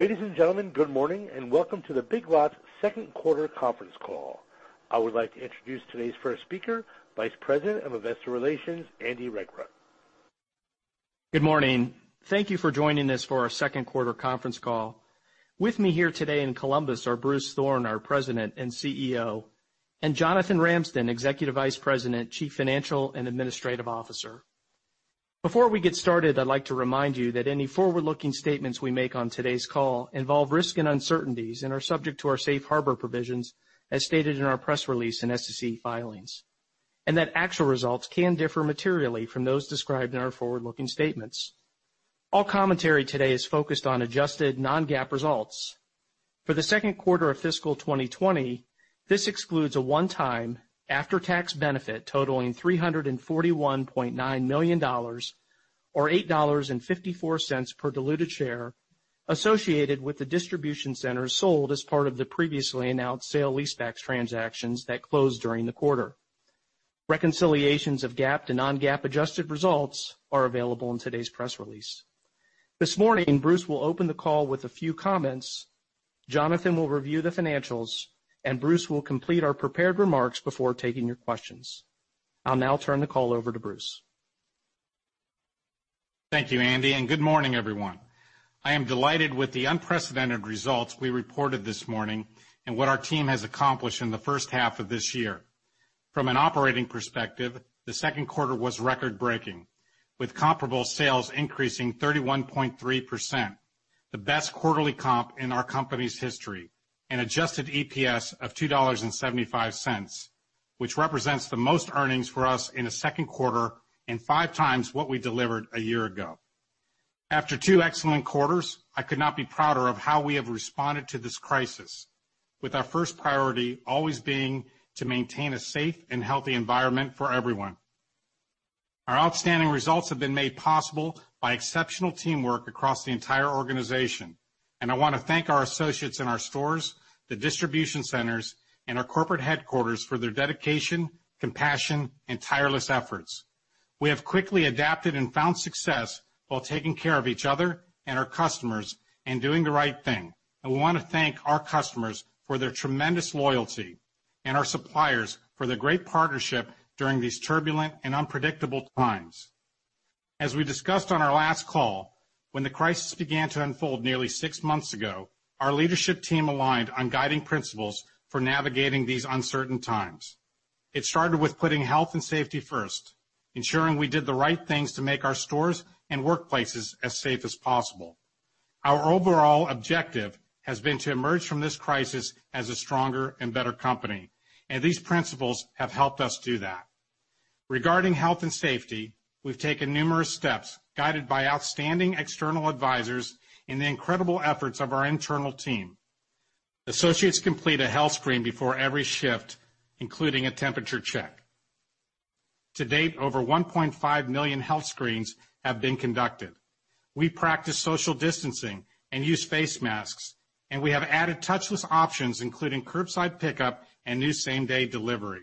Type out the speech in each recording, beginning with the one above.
Ladies and gentlemen, good morning, and welcome to the Big Lots second quarter conference call. I would like to introduce today's first speaker, Vice President of Investor Relations, Andy Regrut. Good morning. Thank you for joining us for our second quarter conference call. With me here today in Columbus are Bruce Thorn, our President and Chief Executive Officer, and Jonathan Ramsden, Executive Vice President, Chief Financial and Administrative Officer. Before we get started, I'd like to remind you that any forward-looking statements we make on today's call involve risks and uncertainties and are subject to our safe harbor provisions as stated in our press release and SEC filings, and that actual results can differ materially from those described in our forward-looking statements. All commentary today is focused on adjusted non-GAAP results. For the second quarter of fiscal 2020, this excludes a one-time after-tax benefit totaling $341.9 million, or $8.54 per diluted share, associated with the distribution centers sold as part of the previously announced sale-leaseback transactions that closed during the quarter. Reconciliations of GAAP to non-GAAP adjusted results are available in today's press release. This morning, Bruce will open the call with a few comments, Jonathan will review the financials, and Bruce will complete our prepared remarks before taking your questions. I'll now turn the call over to Bruce Thorn. Thank you, Andy, and good morning, everyone. I am delighted with the unprecedented results we reported this morning and what our team has accomplished in the first half of this year. From an operating perspective, the second quarter was record-breaking, with comparable sales increasing 31.3%, the best quarterly comp in our company's history, an adjusted EPS of $2.75, which represents the most earnings for us in a second quarter and 5x, what we delivered a year ago. After two excellent quarters, I could not be prouder of how we have responded to this crisis, with our first priority always being to maintain a safe and healthy environment for everyone. Our outstanding results have been made possible by exceptional teamwork across the entire organization, and I want to thank our associates in our stores, the distribution centers, and our corporate headquarters for their dedication, compassion, and tireless efforts. We have quickly adapted and found success while taking care of each other and our customers and doing the right thing. We want to thank our customers for their tremendous loyalty and our suppliers for their great partnership during these turbulent and unpredictable times. As we discussed on our last call, when the crisis began to unfold nearly six months ago, our leadership team aligned on guiding principles for navigating these uncertain times. It started with putting health and safety first, ensuring we did the right things to make our stores and workplaces as safe as possible. Our overall objective has been to emerge from this crisis as a stronger and better company. These principles have helped us do that. Regarding health and safety, we've taken numerous steps, guided by outstanding external advisors and the incredible efforts of our internal team. Associates complete a health screen before every shift, including a temperature check. To date, over 1.5 million health screens have been conducted. We practice social distancing and use face masks, and we have added touchless options, including curbside pickup and new same-day delivery.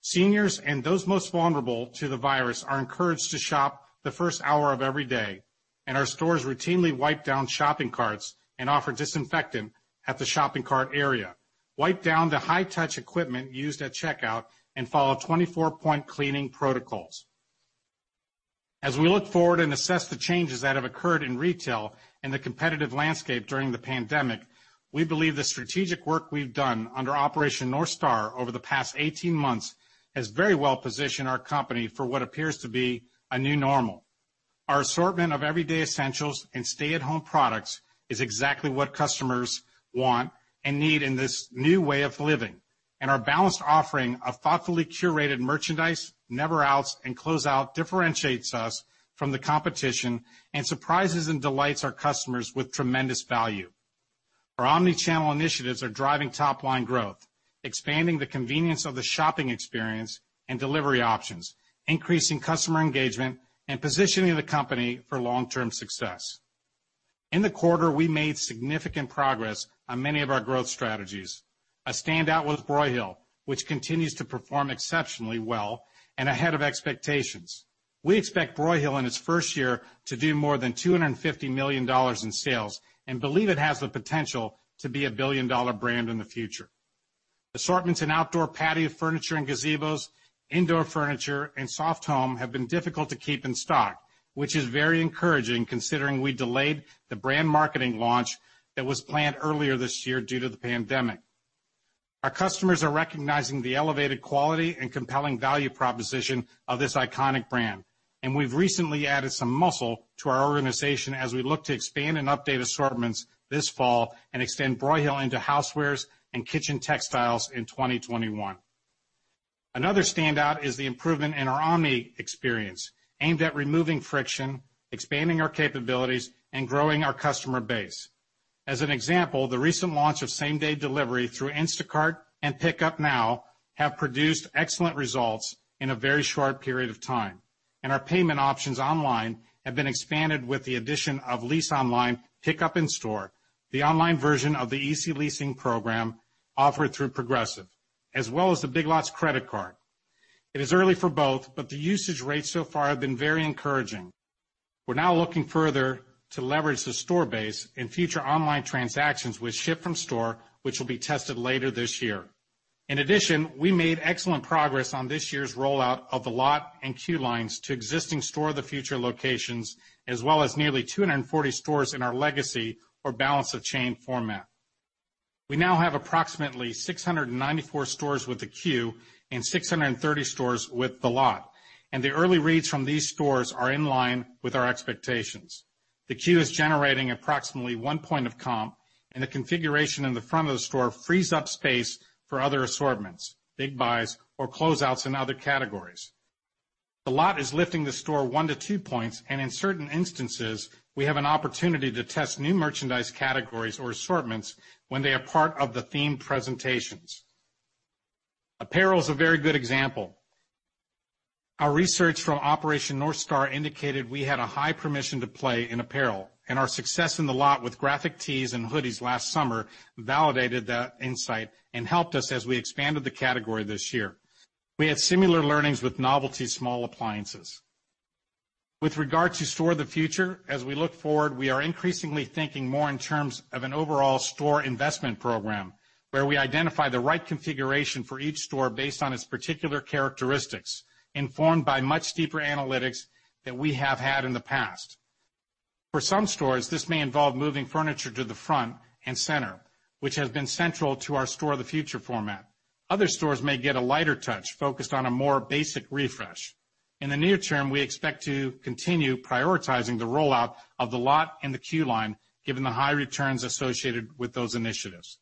Seniors and those most vulnerable to the virus are encouraged to shop the first hour of every day, and our stores routinely wipe down shopping carts and offer disinfectant at the shopping cart area, wipe down the high-touch equipment used at checkout, and follow 24-point cleaning protocols. As we look forward and assess the changes that have occurred in retail and the competitive landscape during the pandemic, we believe the strategic work we've done under Operation North Star over the past 18 months has very well-positioned our company for what appears to be a new normal. Our assortment of everyday essentials and stay-at-home products is exactly what customers want and need in this new way of living. Our balanced offering of thoughtfully curated merchandise, never outs, and closeout differentiates us from the competition and surprises and delights our customers with tremendous value. Our omnichannel initiatives are driving top-line growth, expanding the convenience of the shopping experience and delivery options, increasing customer engagement, and positioning the company for long-term success. In the quarter, we made significant progress on many of our growth strategies. A standout was Broyhill, which continues to perform exceptionally well and ahead of expectations. We expect Broyhill in its first year to do more than $250 million in sales and believe it has the potential to be a billion-dollar brand in the future. Assortments in outdoor patio furniture and gazebos, indoor furniture, and soft home have been difficult to keep in stock, which is very encouraging considering we delayed the brand marketing launch that was planned earlier this year due to the pandemic. Our customers are recognizing the elevated quality and compelling value proposition of this iconic brand, and we've recently added some muscle to our organization as we look to expand and update assortments this fall and extend Broyhill into housewares and kitchen textiles in 2021. Another standout is the improvement in our omni experience, aimed at removing friction, expanding our capabilities, and growing our customer base. As an example, the recent launch of same-day delivery through Instacart and Pickup Now have produced excellent results in a very short period of time, and our payment options online have been expanded with the addition of Lease Online, Pickup in Store, the online version of the Easy Leasing program offered through Progressive, as well as the Big Lots Credit Card. It is early for both, but the usage rates so far have been very encouraging. We're now looking further to leverage the store base in future online transactions with Ship from Store, which will be tested later this year. In addition, we made excellent progress on this year's rollout of The Lot and Queue Line to existing Store of the Future locations, as well as nearly 240 stores in our legacy or balance of chain format. We now have approximately 694 stores with the Queue Line and 630 stores with The Lot, the early reads from these stores are in line with our expectations. The Queue Line is generating approximately one point of comp, the configuration in the front of the store frees up space for other assortments, big buys, or closeouts in other categories. The Lot is lifting the store one to two points, in certain instances, we have an opportunity to test new merchandise categories or assortments when they are part of the themed presentations. Apparel is a very good example. Our research from Operation North Star indicated we had a high permission to play in apparel, our success in The Lot with graphic tees and hoodies last summer validated that insight and helped us as we expanded the category this year. We had similar learnings with novelty small appliances. With regard to Store of the Future, as we look forward, we are increasingly thinking more in terms of an overall store investment program where we identify the right configuration for each store based on its particular characteristics, informed by much steeper analytics than we have had in the past. For some stores, this may involve moving furniture to the front and center, which has been central to our Store of the Future format. Other stores may get a lighter touch focused on a more basic refresh. In the near term, we expect to continue prioritizing the rollout of The Lot and the Queue Line, given the high returns associated with those initiatives.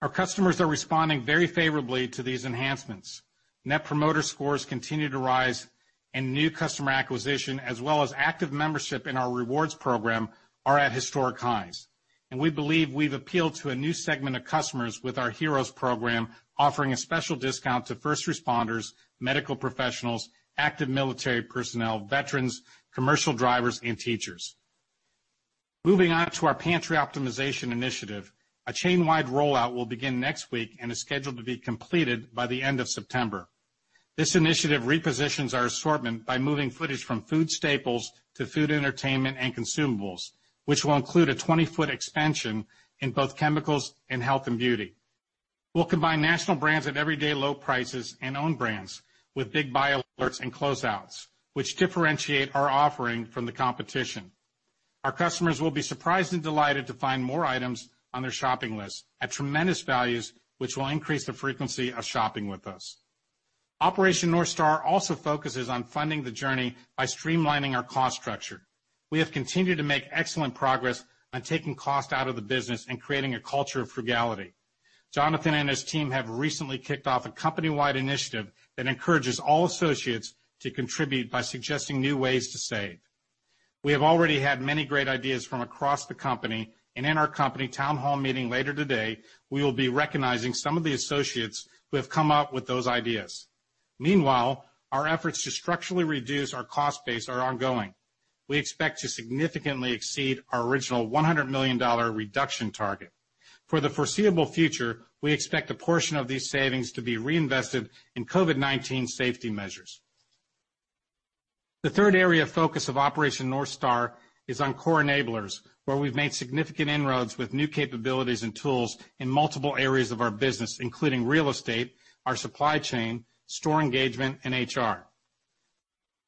Our customers are responding very favorably to these enhancements. Net Promoter Scores continue to rise, and new customer acquisition, as well as active membership in our rewards program, are at historic highs. We believe we've appealed to a new segment of customers with our Heroes program, offering a special discount to first responders, medical professionals, active military personnel, veterans, commercial drivers, and teachers. Moving on to our pantry optimization initiative, a chain-wide rollout will begin next week and is scheduled to be completed by the end of September. This initiative repositions our assortment by moving footage from food staples to food entertainment and consumables, which will include a 20 ft expansion in both chemicals and health and beauty. We'll combine national brands at everyday low prices and own brands with Big Buy Alerts and closeouts, which differentiate our offering from the competition. Our customers will be surprised and delighted to find more items on their shopping list at tremendous values, which will increase the frequency of shopping with us. Operation North Star also focuses on funding the journey by streamlining our cost structure. We have continued to make excellent progress on taking cost out of the business and creating a culture of frugality. Jonathan and his team have recently kicked off a company-wide initiative that encourages all associates to contribute by suggesting new ways to save. We have already had many great ideas from across the company, and in our company town hall meeting later today, we will be recognizing some of the associates who have come up with those ideas. Our efforts to structurally reduce our cost base are ongoing. We expect to significantly exceed our original $100 million reduction target. For the foreseeable future, we expect a portion of these savings to be reinvested in COVID-19 safety measures. The third area of focus of Operation North Star is on core enablers, where we've made significant inroads with new capabilities and tools in multiple areas of our business, including real estate, our supply chain, store engagement, and HR.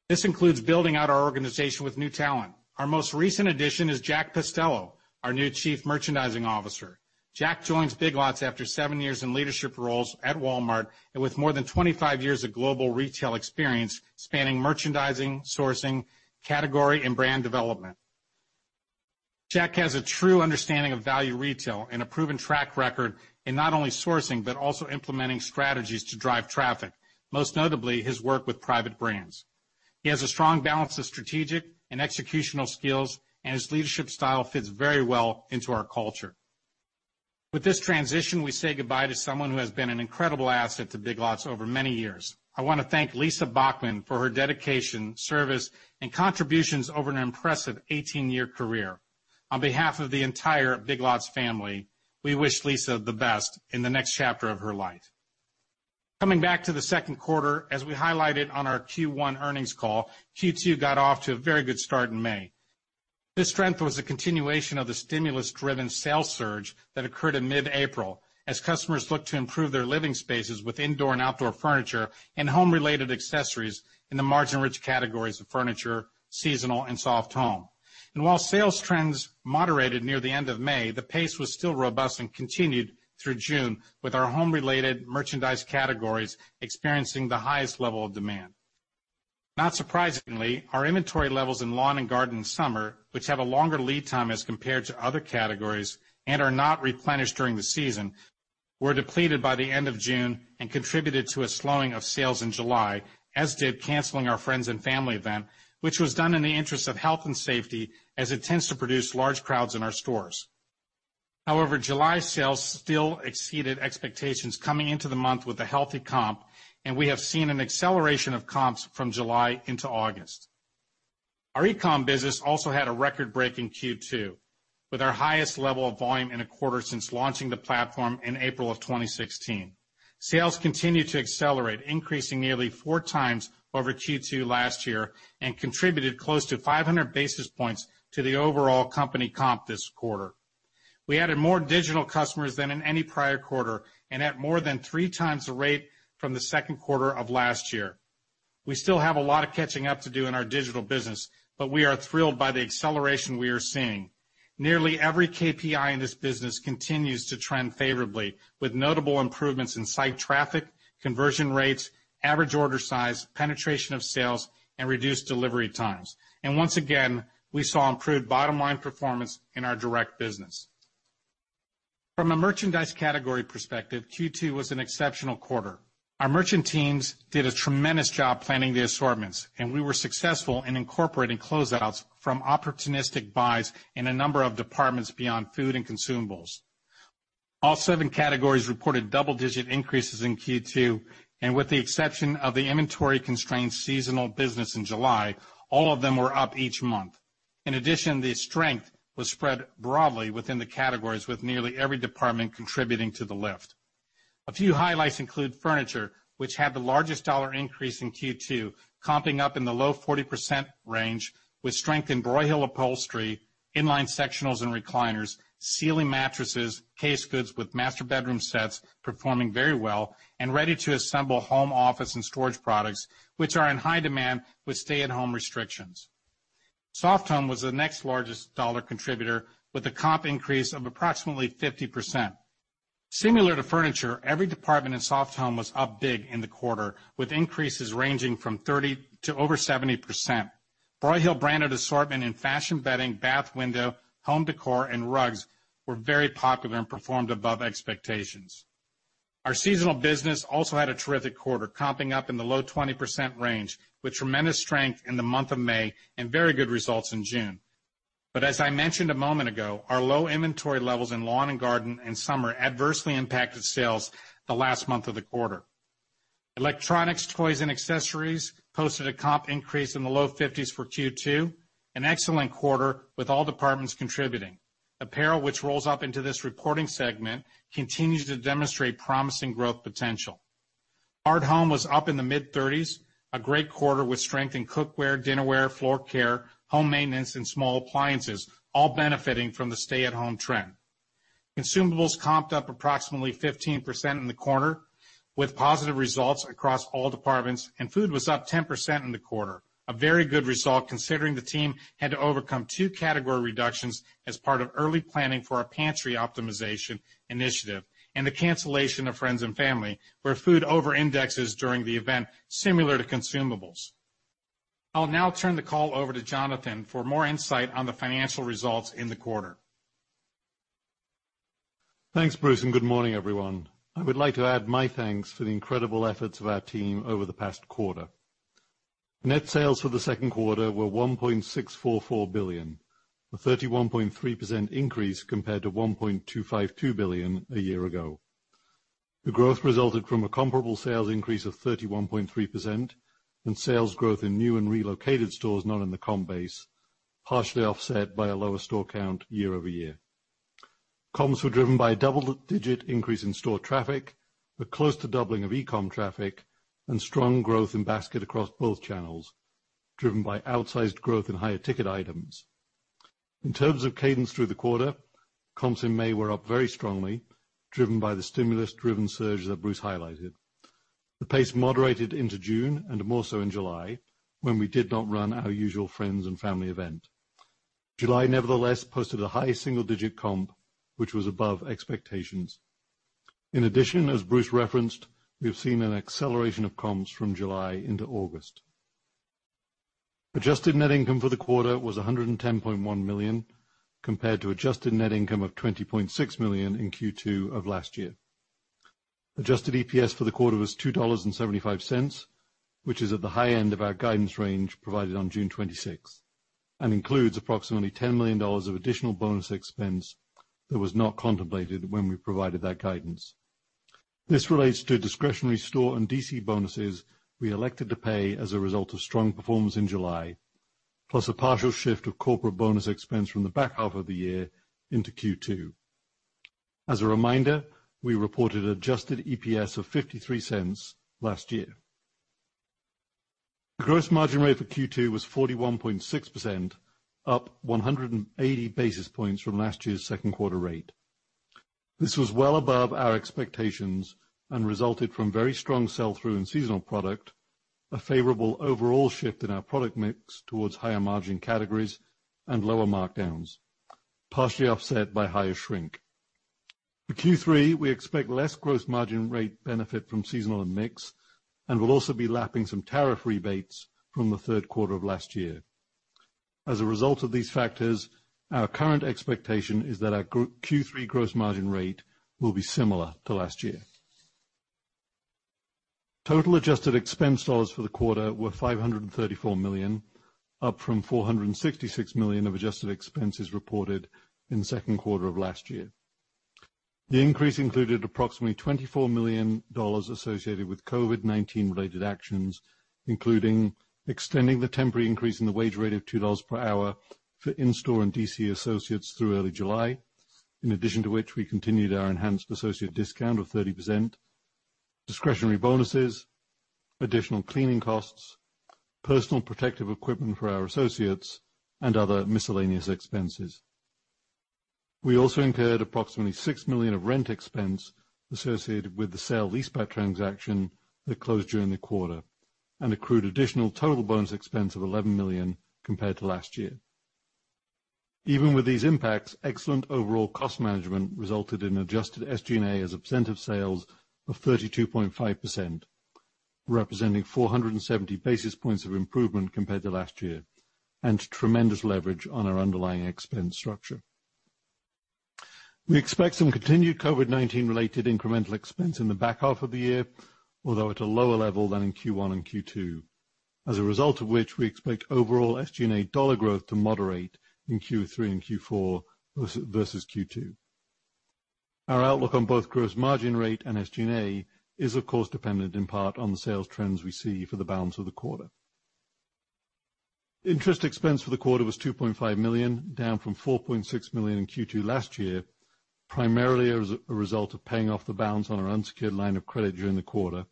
This includes building out our organization with new talent. Our most recent addition is Jack Pestello, our new Chief Merchandising Officer. Jack joins Big Lots after seven years in leadership roles at Walmart and with more than 25 years of global retail experience, spanning merchandising, sourcing, category, and brand development. Jack has a true understanding of value retail and a proven track record in not only sourcing but also implementing strategies to drive traffic, most notably his work with private brands. He has a strong balance of strategic and executional skills, and his leadership style fits very well into our culture. With this transition, we say goodbye to someone who has been an incredible asset to Big Lots over many years. I want to thank Lisa Bachmann for her dedication, service, and contributions over an impressive 18-year career. On behalf of the entire Big Lots family, we wish Lisa the best in the next chapter of her life. Coming back to the second quarter, as we highlighted on our Q1 earnings call, Q2 got off to a very good start in May. This strength was a continuation of the stimulus-driven sales surge that occurred in mid-April as customers looked to improve their living spaces with indoor and outdoor furniture and home-related accessories in the margin-rich categories of furniture, seasonal, and soft home. While sales trends moderated near the end of May, the pace was still robust and continued through June, with our home-related merchandise categories experiencing the highest level of demand. Not surprisingly, our inventory levels in lawn and garden summer, which have a longer lead time as compared to other categories and are not replenished during the season, were depleted by the end of June and contributed to a slowing of sales in July, as did canceling our Friends & Family event, which was done in the interest of health and safety, as it tends to produce large crowds in our stores. However, July sales still exceeded expectations coming into the month with a healthy comp, and we have seen an acceleration of comps from July into August. Our e-commerce business also had a record break in Q2, with our highest level of volume in a quarter since launching the platform in April of 2016. Sales continue to accelerate, increasing nearly four times over Q2 last year and contributed close to 500 basis points to the overall company comp this quarter. We added more digital customers than in any prior quarter and at more than three times the rate from the second quarter of last year. We still have a lot of catching up to do in our digital business, but we are thrilled by the acceleration we are seeing. Nearly every key performance indicator in this business continues to trend favorably, with notable improvements in site traffic, conversion rates, average order size, penetration of sales, and reduced delivery times. Once again, we saw improved bottom-line performance in our direct business. From a merchandise category perspective, Q2 was an exceptional quarter. Our merchant teams did a tremendous job planning the assortments, and we were successful in incorporating closeouts from opportunistic buys in a number of departments beyond food and consumables. All seven categories reported double-digit increases in Q2, and with the exception of the inventory-constrained seasonal business in July, all of them were up each month. In addition, the strength was spread broadly within the categories, with nearly every department contributing to the lift. A few highlights include furniture, which had the largest dollar increase in Q2, comping up in the low 40% range with strength in Broyhill upholstery, inline sectionals and recliners, Sealy mattresses, case goods with master bedroom sets performing very well and ready to assemble home office and storage products, which are in high demand with stay-at-home restrictions. Soft home was the next largest dollar contributor, with a comp increase of approximately 50%. Similar to furniture, every department in soft home was up big in the quarter, with increases ranging from 30% to over 70%. Broyhill branded assortment in fashion bedding, bath, window, home decor, and rugs were very popular and performed above expectations. Our seasonal business also had a terrific quarter, comping up in the low 20% range, with tremendous strength in the month of May and very good results in June. As I mentioned a moment ago, our low inventory levels in lawn and garden and summer adversely impacted sales the last month of the quarter. Electronics, toys, and accessories posted a comp increase in the low 50s for Q2, an excellent quarter with all departments contributing. Apparel, which rolls up into this reporting segment, continues to demonstrate promising growth potential. Hard home was up in the mid 30s, a great quarter with strength in cookware, dinnerware, floor care, home maintenance, and small appliances, all benefiting from the stay-at-home trend. Consumables comped up approximately 15% in the quarter, with positive results across all departments, and food was up 10% in the quarter. A very good result, considering the team had to overcome 2 category reductions as part of early planning for our pantry optimization initiative and the cancelation of Friends & Family, where food overindexes during the event similar to consumables. I'll now turn the call over to Jonathan Ramsden for more insight on the financial results in the quarter. Thanks, Bruce, and good morning, everyone. I would like to add my thanks for the incredible efforts of our team over the past quarter. Net sales for the second quarter were $1.644 billion, a 31.3% increase compared to $1.252 billion a year ago. The growth resulted from a comparable sales increase of 31.3% and sales growth in new and relocated stores not in the comp base, partially offset by a lower store count year-over-year. Comps were driven by a double-digit increase in store traffic, a close to doubling of e-commerce traffic, and strong growth in basket across both channels, driven by outsized growth in higher ticket items. In terms of cadence through the quarter, comps in May were up very strongly, driven by the stimulus-driven surge that Bruce highlighted. The pace moderated into June and more so in July, when we did not run our usual Friends & Family event. July, nevertheless, posted a high single-digit comp, which was above expectations. In addition, as Bruce referenced, we have seen an acceleration of comps from July into August. Adjusted net income for the quarter was $110.1 million, compared to adjusted net income of $20.6 million in Q2 of last year. Adjusted EPS for the quarter was $2.75, which is at the high end of our guidance range provided on June 26th and includes approximately $10 million of additional bonus expense that was not contemplated when we provided that guidance. This relates to discretionary store and DC bonuses we elected to pay as a result of strong performance in July, plus a partial shift of corporate bonus expense from the back half of the year into Q2. As a reminder, we reported adjusted EPS of $0.53 last year. The gross margin rate for Q2 was 41.6%, up 180 basis points from last year's second quarter rate. This was well above our expectations and resulted from very strong sell-through in seasonal product, a favorable overall shift in our product mix towards higher margin categories and lower markdowns, partially offset by higher shrink. For Q3, we expect less gross margin rate benefit from seasonal and mix, and we'll also be lapping some tariff rebates from the third quarter of last year. As a result of these factors, our current expectation is that our Q3 gross margin rate will be similar to last year. Total adjusted expense dollars for the quarter were $534 million, up from $466 million of adjusted expenses reported in the second quarter of last year. The increase included approximately $24 million associated with COVID-19 related actions, including extending the temporary increase in the wage rate of $2 per hour for in-store and DC associates through early July. In addition to which, we continued our enhanced associate discount of 30%, discretionary bonuses, additional cleaning costs, personal protective equipment for our associates, and other miscellaneous expenses. We also incurred approximately $6 million of rent expense associated with the sale-leaseback transaction that closed during the quarter, and accrued additional total bonus expense of $11 million compared to last year. Even with these impacts, excellent overall cost management resulted in adjusted SG&A as a percent of sales of 32.5%, representing 470 basis points of improvement compared to last year, and tremendous leverage on our underlying expense structure. We expect some continued COVID-19 related incremental expense in the back half of the year, although at a lower level than in Q1 and Q2. As a result of which, we expect overall SG&A dollar growth to moderate in Q3 and Q4 versus Q2. Our outlook on both gross margin rate and SG&A is, of course, dependent in part on the sales trends we see for the balance of the quarter. Interest expense for the quarter was $2.5 million, down from $4.6 million in Q2 last year, primarily as a result of paying off the balance on our unsecured line of credit during the quarter,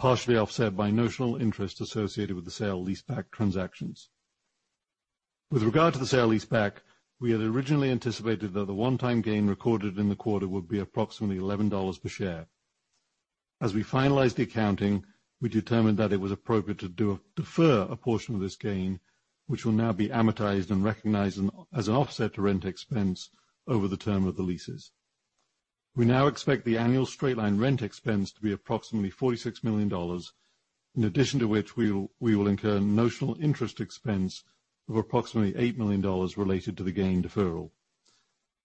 partially offset by notional interest associated with the sale-leaseback transactions. With regard to the sale-leaseback, we had originally anticipated that the one-time gain recorded in the quarter would be approximately $11 per share. As we finalized the accounting, we determined that it was appropriate to defer a portion of this gain, which will now be amortized and recognized as an offset to rent expense over the term of the leases. We now expect the annual straight-line rent expense to be approximately $46 million, in addition to which we will incur notional interest expense of approximately $8 million related to the gain deferral.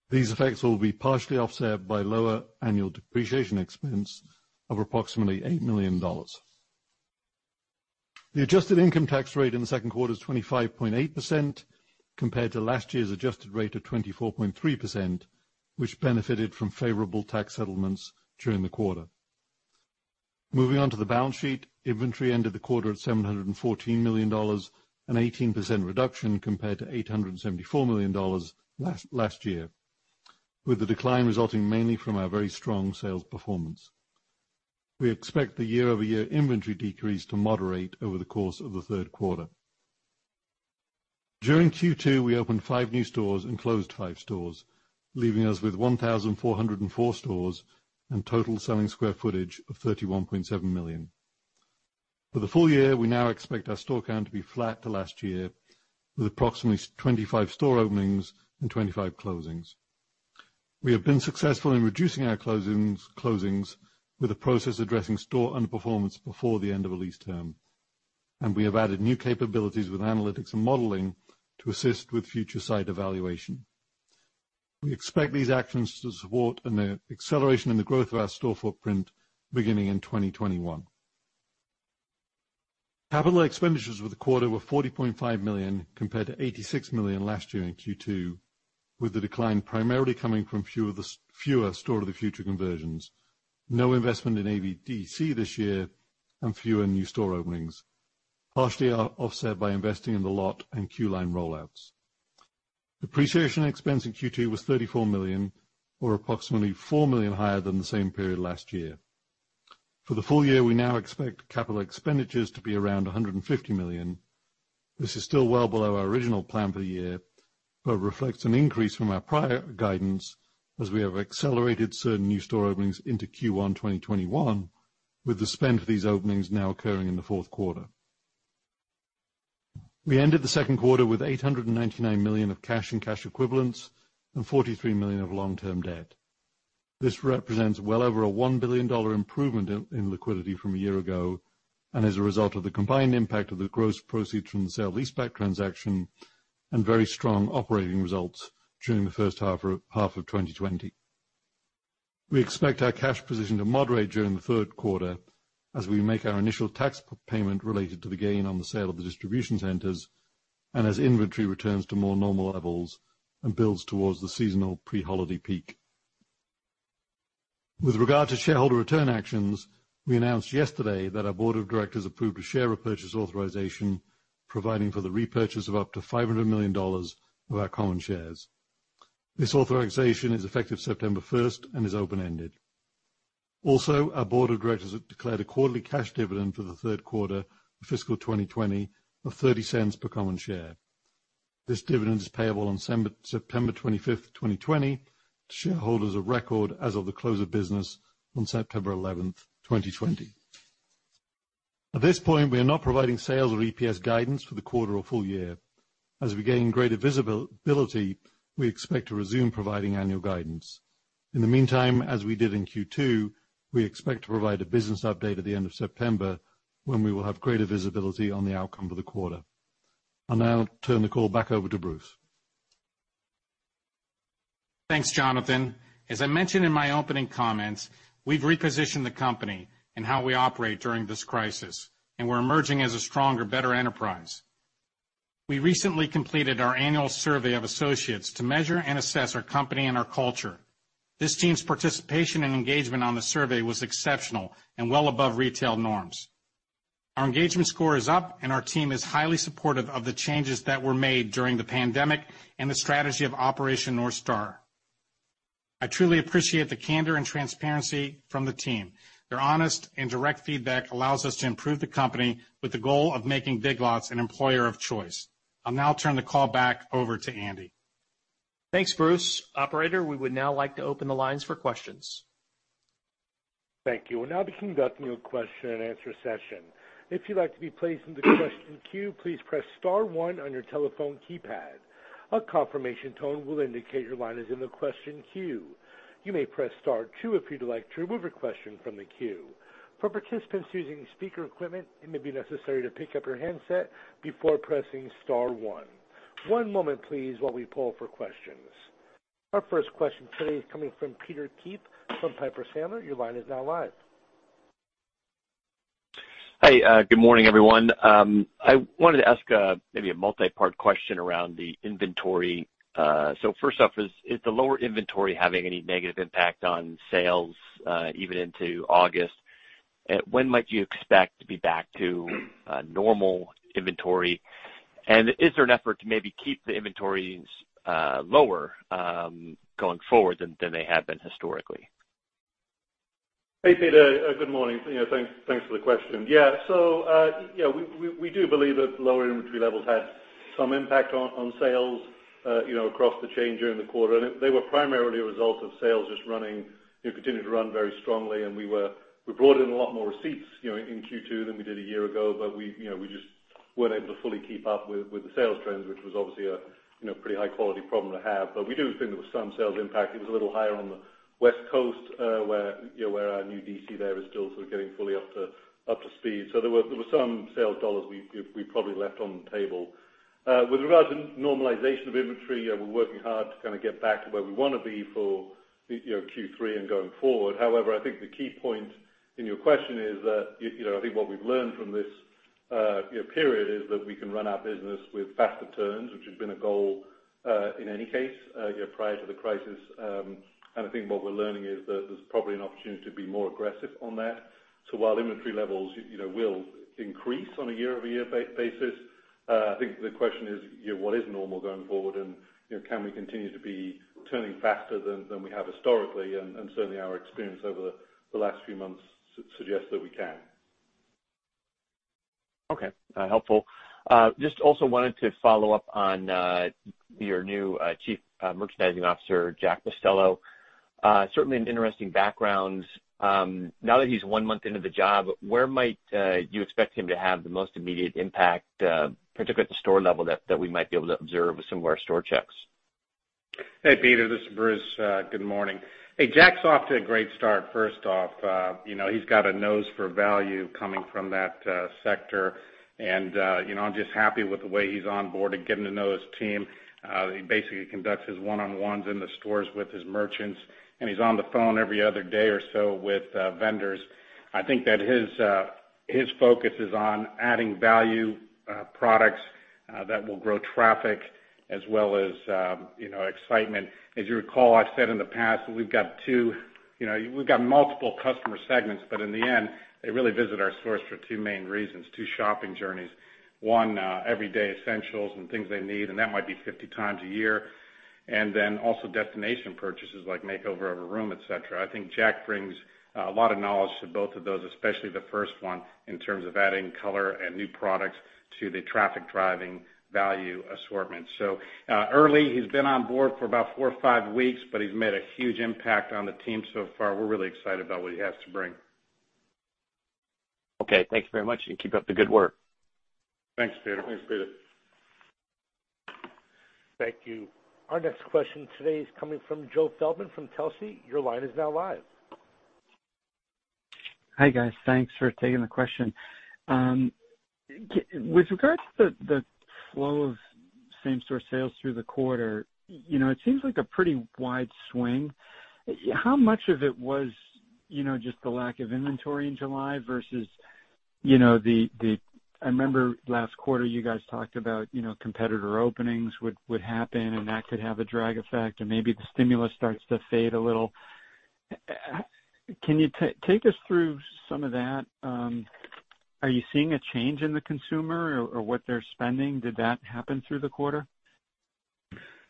These effects will be partially offset by lower annual depreciation expense of approximately $8 million. The adjusted income tax rate in the second quarter is 25.8% compared to last year's adjusted rate of 24.3%, which benefited from favorable tax settlements during the quarter. Moving on to the balance sheet, inventory ended the quarter at $714 million, an 18% reduction compared to $874 million last year, with the decline resulting mainly from our very strong sales performance. We expect the year-over-year inventory decrease to moderate over the course of the third quarter. During Q2, we opened five new stores and closed five stores, leaving us with 1,404 stores and total selling square footage of 31.7 million. For the full year, we now expect our store count to be flat to last year, with approximately 25 store openings and 25 closings. We have been successful in reducing our closings with a process addressing store underperformance before the end of a lease term. We have added new capabilities with analytics and modeling to assist with future site evaluation. We expect these actions to support an acceleration in the growth of our store footprint beginning in 2021. Capital expenditures for the quarter were $40.5 million compared to $86 million last year in Q2, with the decline primarily coming from fewer Store of the Future conversions, no investment in Apple Valley Distribution Center this year, and fewer new store openings, partially offset by investing in The Lot and Queue Line rollouts. Depreciation expense in Q2 was $34 million, or approximately $4 million higher than the same period last year. For the full year, we now expect capital expenditures to be around $150 million. This is still well below our original plan for the year, but reflects an increase from our prior guidance as we have accelerated certain new store openings into Q1 2021, with the spend for these openings now occurring in the fourth quarter. We ended the second quarter with $899 million of cash and cash equivalents and $43 million of long-term debt. This represents well over a $1 billion improvement in liquidity from a year ago and is a result of the combined impact of the gross proceeds from the sale-leaseback transaction and very strong operating results during the first half of 2020. We expect our cash position to moderate during the third quarter as we make our initial tax payment related to the gain on the sale of the distribution centers, and as inventory returns to more normal levels and builds towards the seasonal pre-holiday peak. With regard to shareholder return actions, we announced yesterday that our board of directors approved a share repurchase authorization providing for the repurchase of up to $500 million of our common shares. This authorization is effective September 1st and is open-ended. Our board of directors have declared a quarterly cash dividend for the third quarter of fiscal 2020 of $0.30 per common share. This dividend is payable on September 25th, 2020 to shareholders of record as of the close of business on September 11th, 2020. At this point, we are not providing sales or EPS guidance for the quarter or full year. As we gain greater visibility, we expect to resume providing annual guidance. In the meantime, as we did in Q2, we expect to provide a business update at the end of September when we will have greater visibility on the outcome for the quarter. I'll now turn the call back over to Bruce. Thanks, Jonathan. As I mentioned in my opening comments, we've repositioned the company and how we operate during this crisis, and we're emerging as a stronger, better enterprise. We recently completed our annual survey of associates to measure and assess our company and our culture. This team's participation and engagement on the survey was exceptional and well above retail norms. Our engagement score is up. Our team is highly supportive of the changes that were made during the pandemic and the strategy of Operation North Star. I truly appreciate the candor and transparency from the team. Their honest and direct feedback allows us to improve the company with the goal of making Big Lots an employer of choice. I'll now turn the call back over to Andy. Thanks, Bruce. Operator, we would now like to open the lines for questions. Thank you. We'll now be conducting a question and answer session. If you'd like to be placed in the question queue, please press star one on your telephone keypad. A confirmation tone will indicate your line is in the question queue. You may press star two if you'd like to remove a question from the queue. For participants using speaker equipment, it may be necessary to pick up your handset before pressing star one. One moment please while we poll for questions. Our first question today is coming from Peter Keith from Piper Sandler. Your line is now live. Hi. Good morning, everyone. I wanted to ask maybe a multi-part question around the inventory. First off, is the lower inventory having any negative impact on sales, even into August? When might you expect to be back to normal inventory? Is there an effort to maybe keep the inventories lower, going forward than they have been historically? Hey, Peter. Good morning. Thanks for the question. We do believe that lower inventory levels had some impact on sales across the chain during the quarter, and they were primarily a result of sales just continuing to run very strongly and we brought in a lot more receipts in Q2 than we did a year ago, but we just weren't able to fully keep up with the sales trends, which was obviously a pretty high-quality problem to have. We do think there was some sales impact. It was a little higher on the West Coast, where our new DC there is still sort of getting fully up to speed. There were some sales dollars we probably left on the table. With regard to normalization of inventory, we're working hard to kind of get back to where we want to be for Q3 and going forward. However, I think the key point in your question is that, I think what we've learned from this period is that we can run our business with faster turns, which has been a goal, in any case, prior to the crisis. I think what we're learning is that there's probably an opportunity to be more aggressive on that. While inventory levels will increase on a year-over-year basis, I think the question is what is normal going forward and can we continue to be turning faster than we have historically? Certainly, our experience over the last few months suggests that we can. Okay. Helpful. Just also wanted to follow up on your new Chief Merchandising Officer, Jack Pestello. Certainly an interesting background. Now that he's one month into the job, where might you expect him to have the most immediate impact, particularly at the store level that we might be able to observe with some of our store checks? Hey, Peter, this is Bruce. Good morning. Hey, Jack's off to a great start, first off. He's got a nose for value coming from that sector. I'm just happy with the way he's onboarded, getting to know his team. He basically conducts his one-on-ones in the stores with his merchants, and he's on the phone every other day or so with vendors. I think that his focus is on adding value products that will grow traffic as well as excitement. As you recall, I've said in the past, we've got multiple customer segments, but in the end, they really visit our stores for two main reasons, two shopping journeys. One, everyday essentials and things they need, and that might be 50x a year. Also destination purchases like makeover of a room, et cetera. I think Jack brings a lot of knowledge to both of those, especially the first one, in terms of adding color and new products to the traffic driving value assortment. Early, he's been on board for about four or five weeks, but he's made a huge impact on the team so far. We're really excited about what he has to bring. Okay. Thank you very much. Keep up the good work. Thanks, Peter. Thanks, Peter. Thank you. Our next question today is coming from Joe Feldman from Telsey Advisory Group. Your line is now live. Hi, guys. Thanks for taking the question. With regard to the flow of same store sales through the quarter, it seems like a pretty wide swing. How much of it was just the lack of inventory in July versus I remember last quarter you guys talked about competitor openings would happen and that could have a drag effect or maybe the stimulus starts to fade a little. Take us through some of that. Are you seeing a change in the consumer or what they're spending? Did that happen through the quarter?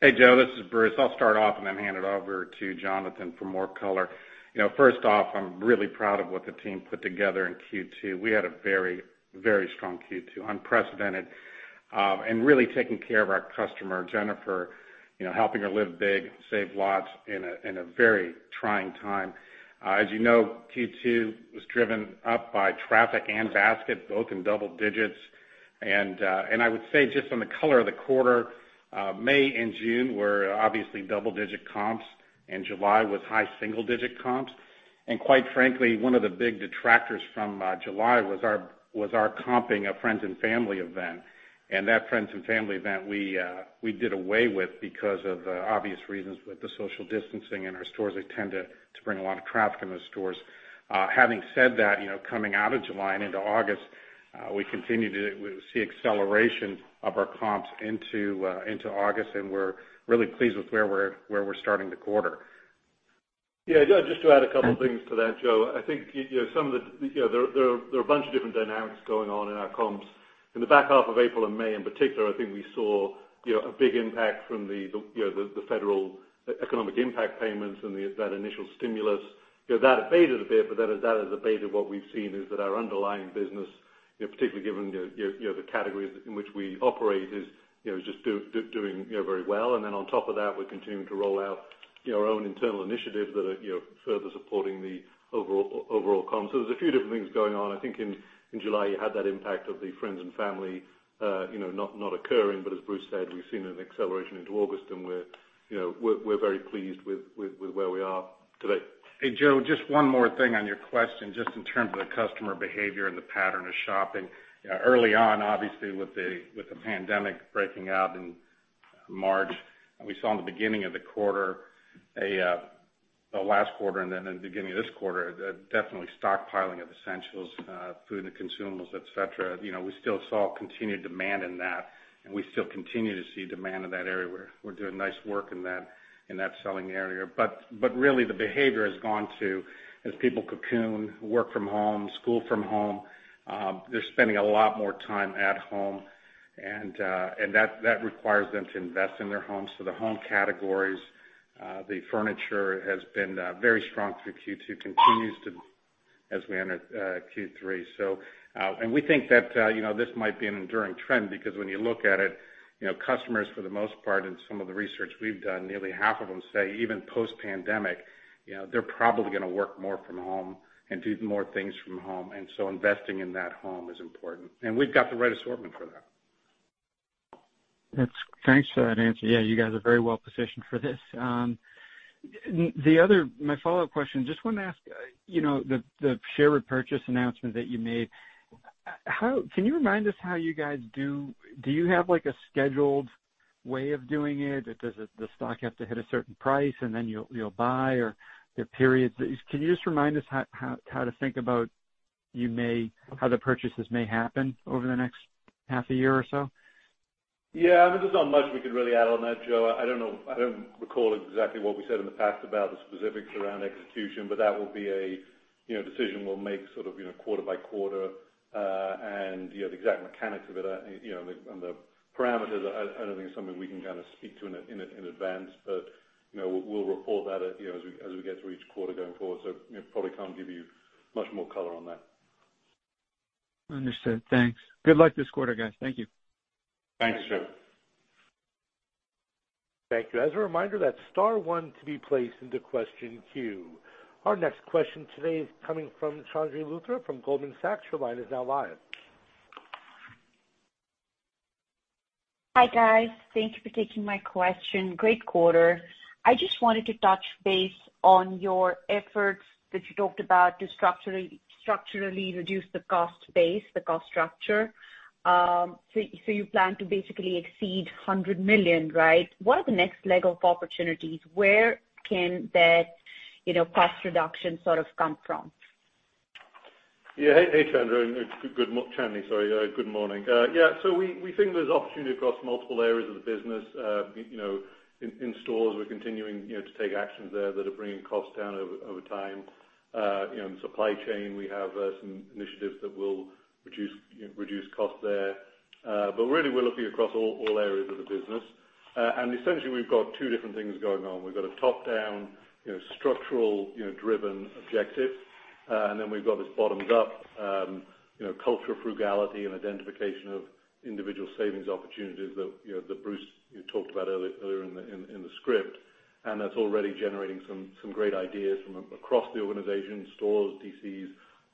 Hey, Joe, this is Bruce. I'll start off and then hand it over to Jonathan for more color. First off, I'm really proud of what the team put together in Q2. We had a very strong Q2, unprecedented. Really taking care of our customer, Jennifer, helping her live big, save lots in a very trying time. As you know, Q2 was driven up by traffic and basket, both in double digits. I would say just on the color of the quarter, May and June were obviously double digit comps and July was high single digit comps. Quite frankly, one of the big detractors from July was our comping a Friends & Family event. That Friends & Family event we did away with because of the obvious reasons with the social distancing in our stores. They tend to bring a lot of traffic in the stores. Having said that, coming out of July and into August. We continue to see acceleration of our comps into August. We're really pleased with where we're starting the quarter. Just to add a couple things to that, Joe. I think there are a bunch of different dynamics going on in our comps. In the back half of April and May in particular, I think we saw a big impact from the federal economic impact payments and that initial stimulus. That abated a bit, as that has abated, what we've seen is that our underlying business, particularly given the categories in which we operate, is just doing very well. Then on top of that, we're continuing to roll out our own internal initiatives that are further supporting the overall comp. There's a few different things going on. I think in July, you had that impact of the Friends & Family not occurring. As Bruce said, we've seen an acceleration into August, and we're very pleased with where we are today. Hey, Joe, just one more thing on your question, just in terms of the customer behavior and the pattern of shopping. Early on, obviously, with the pandemic breaking out in March, we saw in the last quarter and then in the beginning of this quarter, definitely stockpiling of essentials, food and consumables, et cetera. We still saw continued demand in that, we still continue to see demand in that area where we're doing nice work in that selling area. Really, the behavior has gone to, as people cocoon, work from home, school from home, they're spending a lot more time at home, that requires them to invest in their homes. The home categories, the furniture has been very strong through Q2, continues to as we enter Q3. We think that this might be an enduring trend because when you look at it, customers, for the most part, in some of the research we've done, nearly half of them say, even post-pandemic, they're probably going to work more from home and do more things from home. Investing in that home is important. We've got the right assortment for that. Thanks for that answer. Yeah, you guys are very well positioned for this. My follow-up question, just wanted to ask, the share repurchase announcement that you made, can you remind us how you guys do you have a scheduled way of doing it? Does the stock have to hit a certain price and then you'll buy, or there are periods? Can you just remind us how to think about how the purchases may happen over the next half a year or so? Yeah. I mean, there's not much we can really add on that, Joe. I don't recall exactly what we said in the past about the specifics around execution, but that will be a decision we'll make sort of quarter by quarter. The exact mechanics of it and the parameters, I don't think is something we can speak to in advance. We'll report that as we get through each quarter going forward. Probably can't give you much more color on that. Understood. Thanks. Good luck this quarter, guys. Thank you. Thanks, Joe. Thank you. As a reminder, that's star one to be placed into question queue. Our next question today is coming from Chandni Luthra from Goldman Sachs. Hi, guys. Thank you for taking my question. Great quarter. I just wanted to touch base on your efforts that you talked about to structurally reduce the cost base, the cost structure. You plan to basically exceed $100 million, right? What are the next leg of opportunities? Where can that cost reduction sort of come from? Yeah. Hey, Chandni. Good morning. Yeah, we think there's opportunity across multiple areas of the business. In stores, we're continuing to take actions there that are bringing costs down over time. In supply chain, we have some initiatives that will reduce cost there. Really, we're looking across all areas of the business. Essentially, we've got two different things going on. We've got a top-down, structural-driven objective, and then we've got this bottom-up culture of frugality and identification of individual savings opportunities that Bruce talked about earlier in the script. That's already generating some great ideas from across the organization, stores, DCs,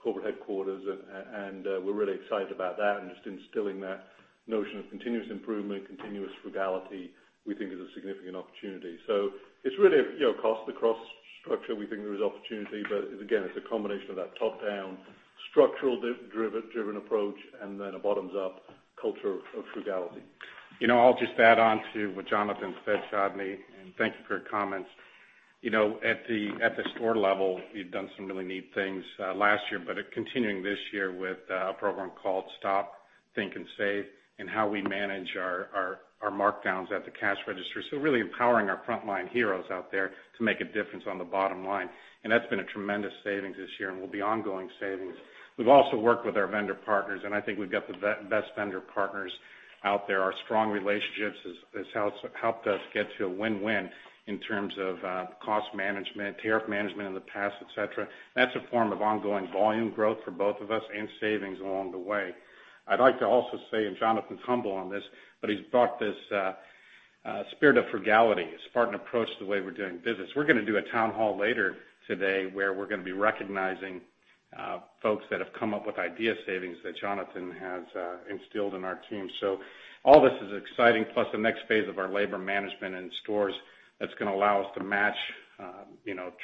corporate headquarters, and we're really excited about that and just instilling that notion of continuous improvement, continuous frugality, we think is a significant opportunity. It's really across the structure, we think there is opportunity, but again, it's a combination of that top-down, structural driven approach and then a bottoms-up culture of frugality. I'll just add on to what Jonathan said, Chandni, and thank you for your comments. At the store level, we've done some really neat things last year, but are continuing this year with a program called Stop, Think, and Save in how we manage our markdowns at the cash register. Really empowering our frontline heroes out there to make a difference on the bottom line. That's been a tremendous savings this year and will be ongoing savings. We've also worked with our vendor partners, I think we've got the best vendor partners out there. Our strong relationships has helped us get to a win-win in terms of cost management, tariff management in the past, et cetera. That's a form of ongoing volume growth for both of us and savings along the way. I'd like to also say, and Jonathan's humble on this, but he's brought this spirit of frugality, a Spartan approach to the way we're doing business. We're going to do a town hall later today where we're going to be recognizing folks that have come up with idea savings that Jonathan has instilled in our team. All this is exciting, plus the next phase of our labor management in stores that's going to allow us to match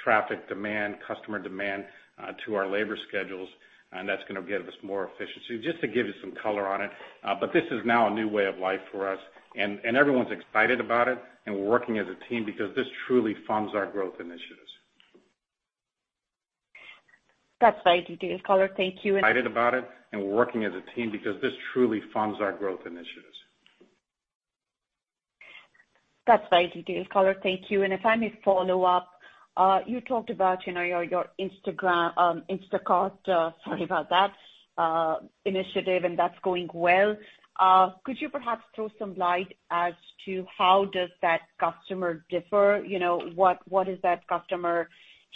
traffic demand, customer demand to our labor schedules, and that's going to give us more efficiency. Just to give you some color on it. This is now a new way of life for us, and everyone's excited about it, and we're working as a team because this truly funds our growth initiatives. That's right, great color. Thank you. Excited about it, we're working as a team because this truly funds our growth initiatives. That's right, great color. Thank you. If I may follow up, you talked about your Instacart, sorry about that, initiative, and that's going well. Could you perhaps throw some light as to how does that customer differ? What is that customer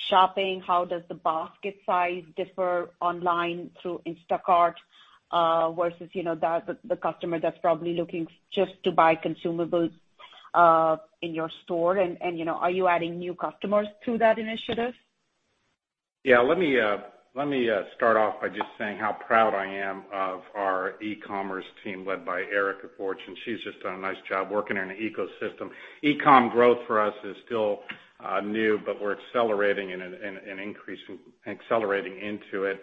shopping? How does the basket size differ online through Instacart, versus the customer that's probably looking just to buy consumables in your store? Are you adding new customers through that initiative? Let me start off by just saying how proud I am of our e-commerce team led by Erica Fortune. She's just done a nice job working in an ecosystem. e-commerce growth for us is still new, we're accelerating and increasing into it.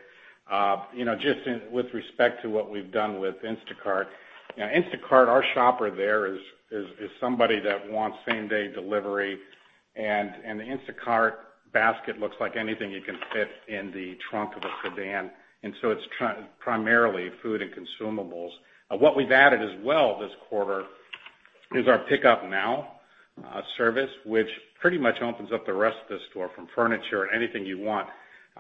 With respect to what we've done with Instacart. Instacart, our shopper there is somebody that wants same-day delivery, the Instacart basket looks like anything you can fit in the trunk of a sedan, it's primarily food and consumables. What we've added as well this quarter is our Pickup Now service, which pretty much opens up the rest of the store from furniture, anything you want,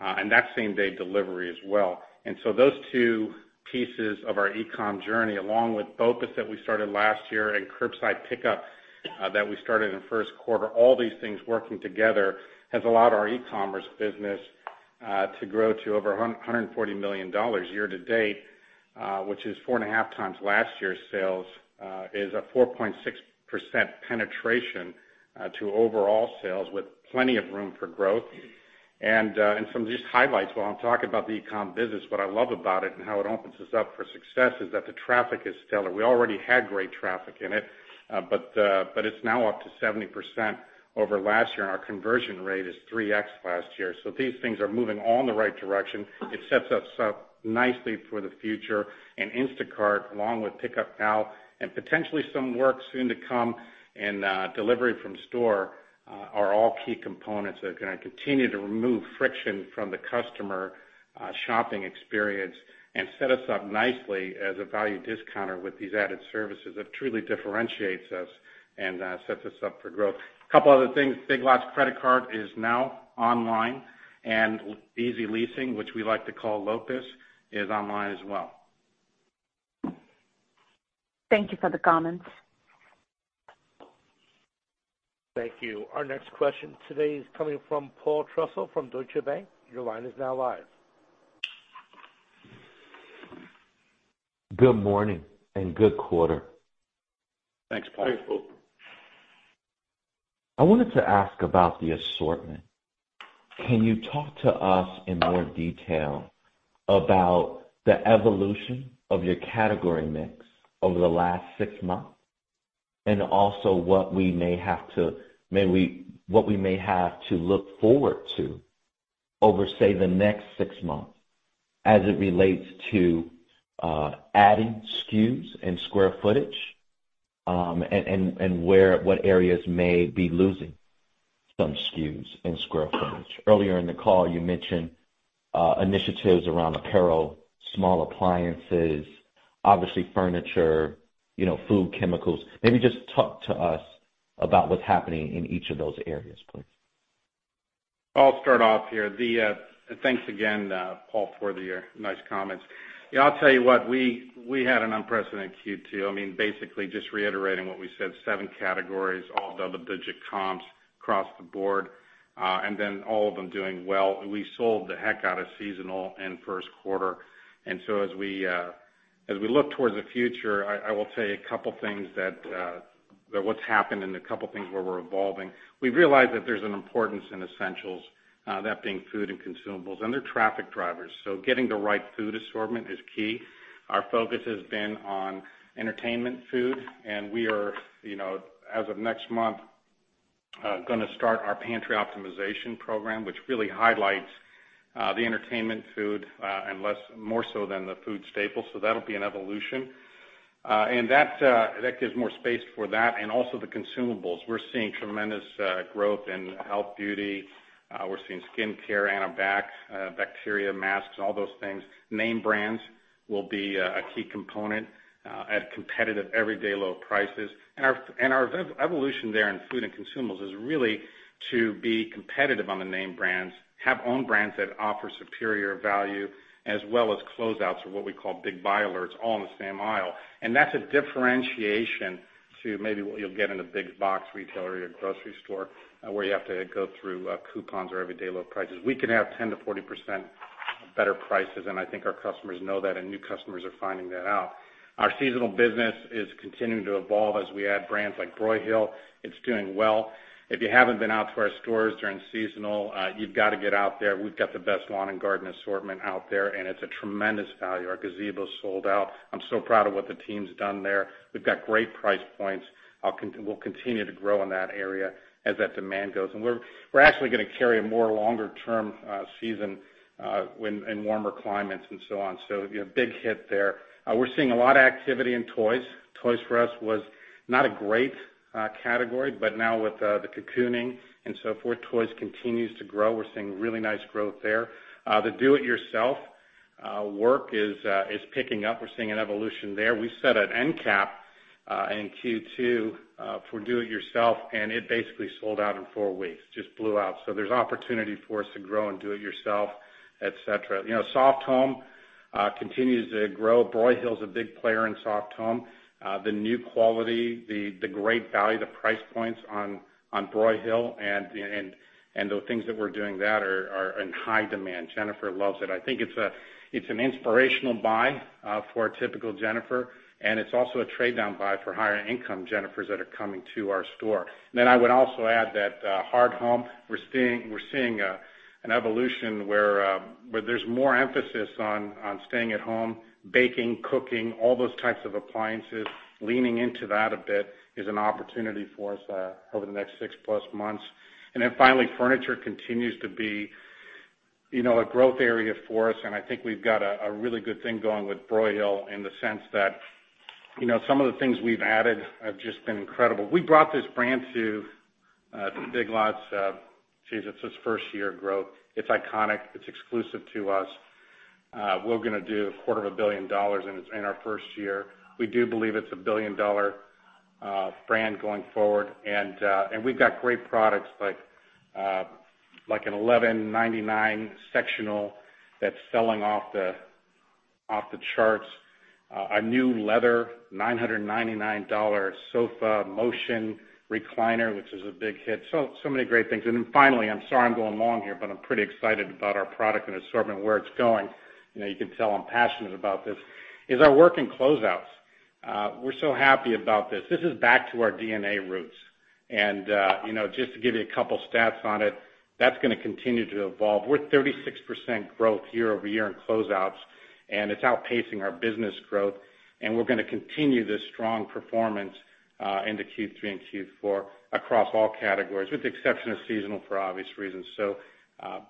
that's same-day delivery as well. Those two pieces of our e-commerce journey, along with BOPUS that we started last year and curbside pickup that we started in the first quarter, all these things working together has allowed our e-commerce business to grow to over $140 million year to date, which is 4.5x last year's sales. Is a 4.6% penetration to overall sales with plenty of room for growth. Some just highlights while I'm talking about the e-commerce business, what I love about it and how it opens us up for success is that the traffic is stellar. We already had great traffic in it, but it's now up to 70% over last year, and our conversion rate is 3x last year. These things are moving all in the right direction. It sets us up nicely for the future. Instacart, along with Pickup Now and potentially some work soon to come in delivery from store, are all key components that are going to continue to remove friction from the customer shopping experience and set us up nicely as a value discounter with these added services that truly differentiates us and sets us up for growth. A couple other things. Big Lots Credit Card is now online, and Easy Leasing, which we like to call LOPIS, is online as well. Thank you for the comments. Thank you. Our next question today is coming from Paul Trussell from Deutsche Bank. Your line is now live. Good morning and good quarter. Thanks, Paul. I wanted to ask about the assortment. Can you talk to us in more detail about the evolution of your category mix over the last six months, and also what we may have to look forward to over, say, the next six months as it relates to adding stock-keeping units and square footage, and what areas may be losing some SKUs and square footage? Earlier in the call, you mentioned initiatives around apparel, small appliances, obviously furniture, food, chemicals. Maybe just talk to us about what's happening in each of those areas, please. I'll start off here. Thanks again, Paul, for the nice comments. I'll tell you what, we had an unprecedented Q2. Basically just reiterating what we said, seven categories, all double-digit comps across the board, all of them doing well. We sold the heck out of seasonal in the first quarter. As we look towards the future, I will tell you a couple things that, what's happened and a couple things where we're evolving. We realize that there's an importance in essentials, that being food and consumables, they're traffic drivers, so getting the right food assortment is key. Our focus has been on entertainment food, we are, as of next month, going to start our pantry optimization program, which really highlights the entertainment food more so than the food staples. That'll be an evolution. That gives more space for that and also the consumables. We're seeing tremendous growth in health beauty. We're seeing skincare, antibacterial, bacteria masks, all those things. Name brands will be a key component at competitive, everyday low prices. Our evolution there in food and consumables is really to be competitive on the name brands, have own brands that offer superior value, as well as closeouts or what we call Big Buy Alerts all in the same aisle. That's a differentiation to maybe what you'll get in a big box retailer or your grocery store, where you have to go through coupons or everyday low prices. We can have 10%-40% better prices, and I think our customers know that and new customers are finding that out. Our seasonal business is continuing to evolve as we add brands like Broyhill. It's doing well. If you haven't been out to our stores during seasonal, you've got to get out there. We've got the best lawn and garden assortment out there and it's a tremendous value. Our gazebo sold out. I'm so proud of what the team's done there. We've got great price points. We'll continue to grow in that area as that demand goes. We're actually going to carry a more longer-term season in warmer climates and so on. Big hit there. We're seeing a lot of activity in toys. Toys for us was not a great category, but now with the cocooning and so forth, toys continues to grow. We're seeing really nice growth there. The do-it-yourself work is picking up. We're seeing an evolution there. We set an end cap in Q2 for do it yourself, and it basically sold out in four weeks. Just blew out. There's opportunity for us to grow and do it yourself, et cetera. Soft home continues to grow. Broyhill is a big player in soft home. The new quality, the great value, the price points on Broyhill and the things that we're doing that are in high demand. Jennifer loves it. I think it's an inspirational buy for a typical Jennifer, and it's also a trade-down buy for higher income Jennifers that are coming to our store. I would also add that hard home, we're seeing an evolution where there's more emphasis on staying at home, baking, cooking, all those types of appliances. Leaning into that a bit is an opportunity for us over the next 6+ months. Finally, furniture continues to be a growth area for us, and I think we've got a really good thing going with Broyhill in the sense that some of the things we've added have just been incredible. We brought this brand to Big Lots. Geez, it's its first year of growth. It's iconic. It's exclusive to us. We're going to do a quarter of a billion dollars in our first year. We do believe it's a billion-dollar brand going forward, and we've got great products like an $1199 sectional that's selling off the charts. A new leather $999 sofa motion recliner, which is a big hit. Many great things. Finally, I'm sorry, I'm going long here, I'm pretty excited about our product and assortment, where it's going. You can tell I'm passionate about this, is our work in closeouts. We're so happy about this. This is back to our DNA roots. Just to give you a couple stats on it, that's going to continue to evolve. We're at 36% growth year-over-year in closeouts, and it's outpacing our business growth, and we're going to continue this strong performance into Q3 and Q4 across all categories, with the exception of seasonal, for obvious reasons.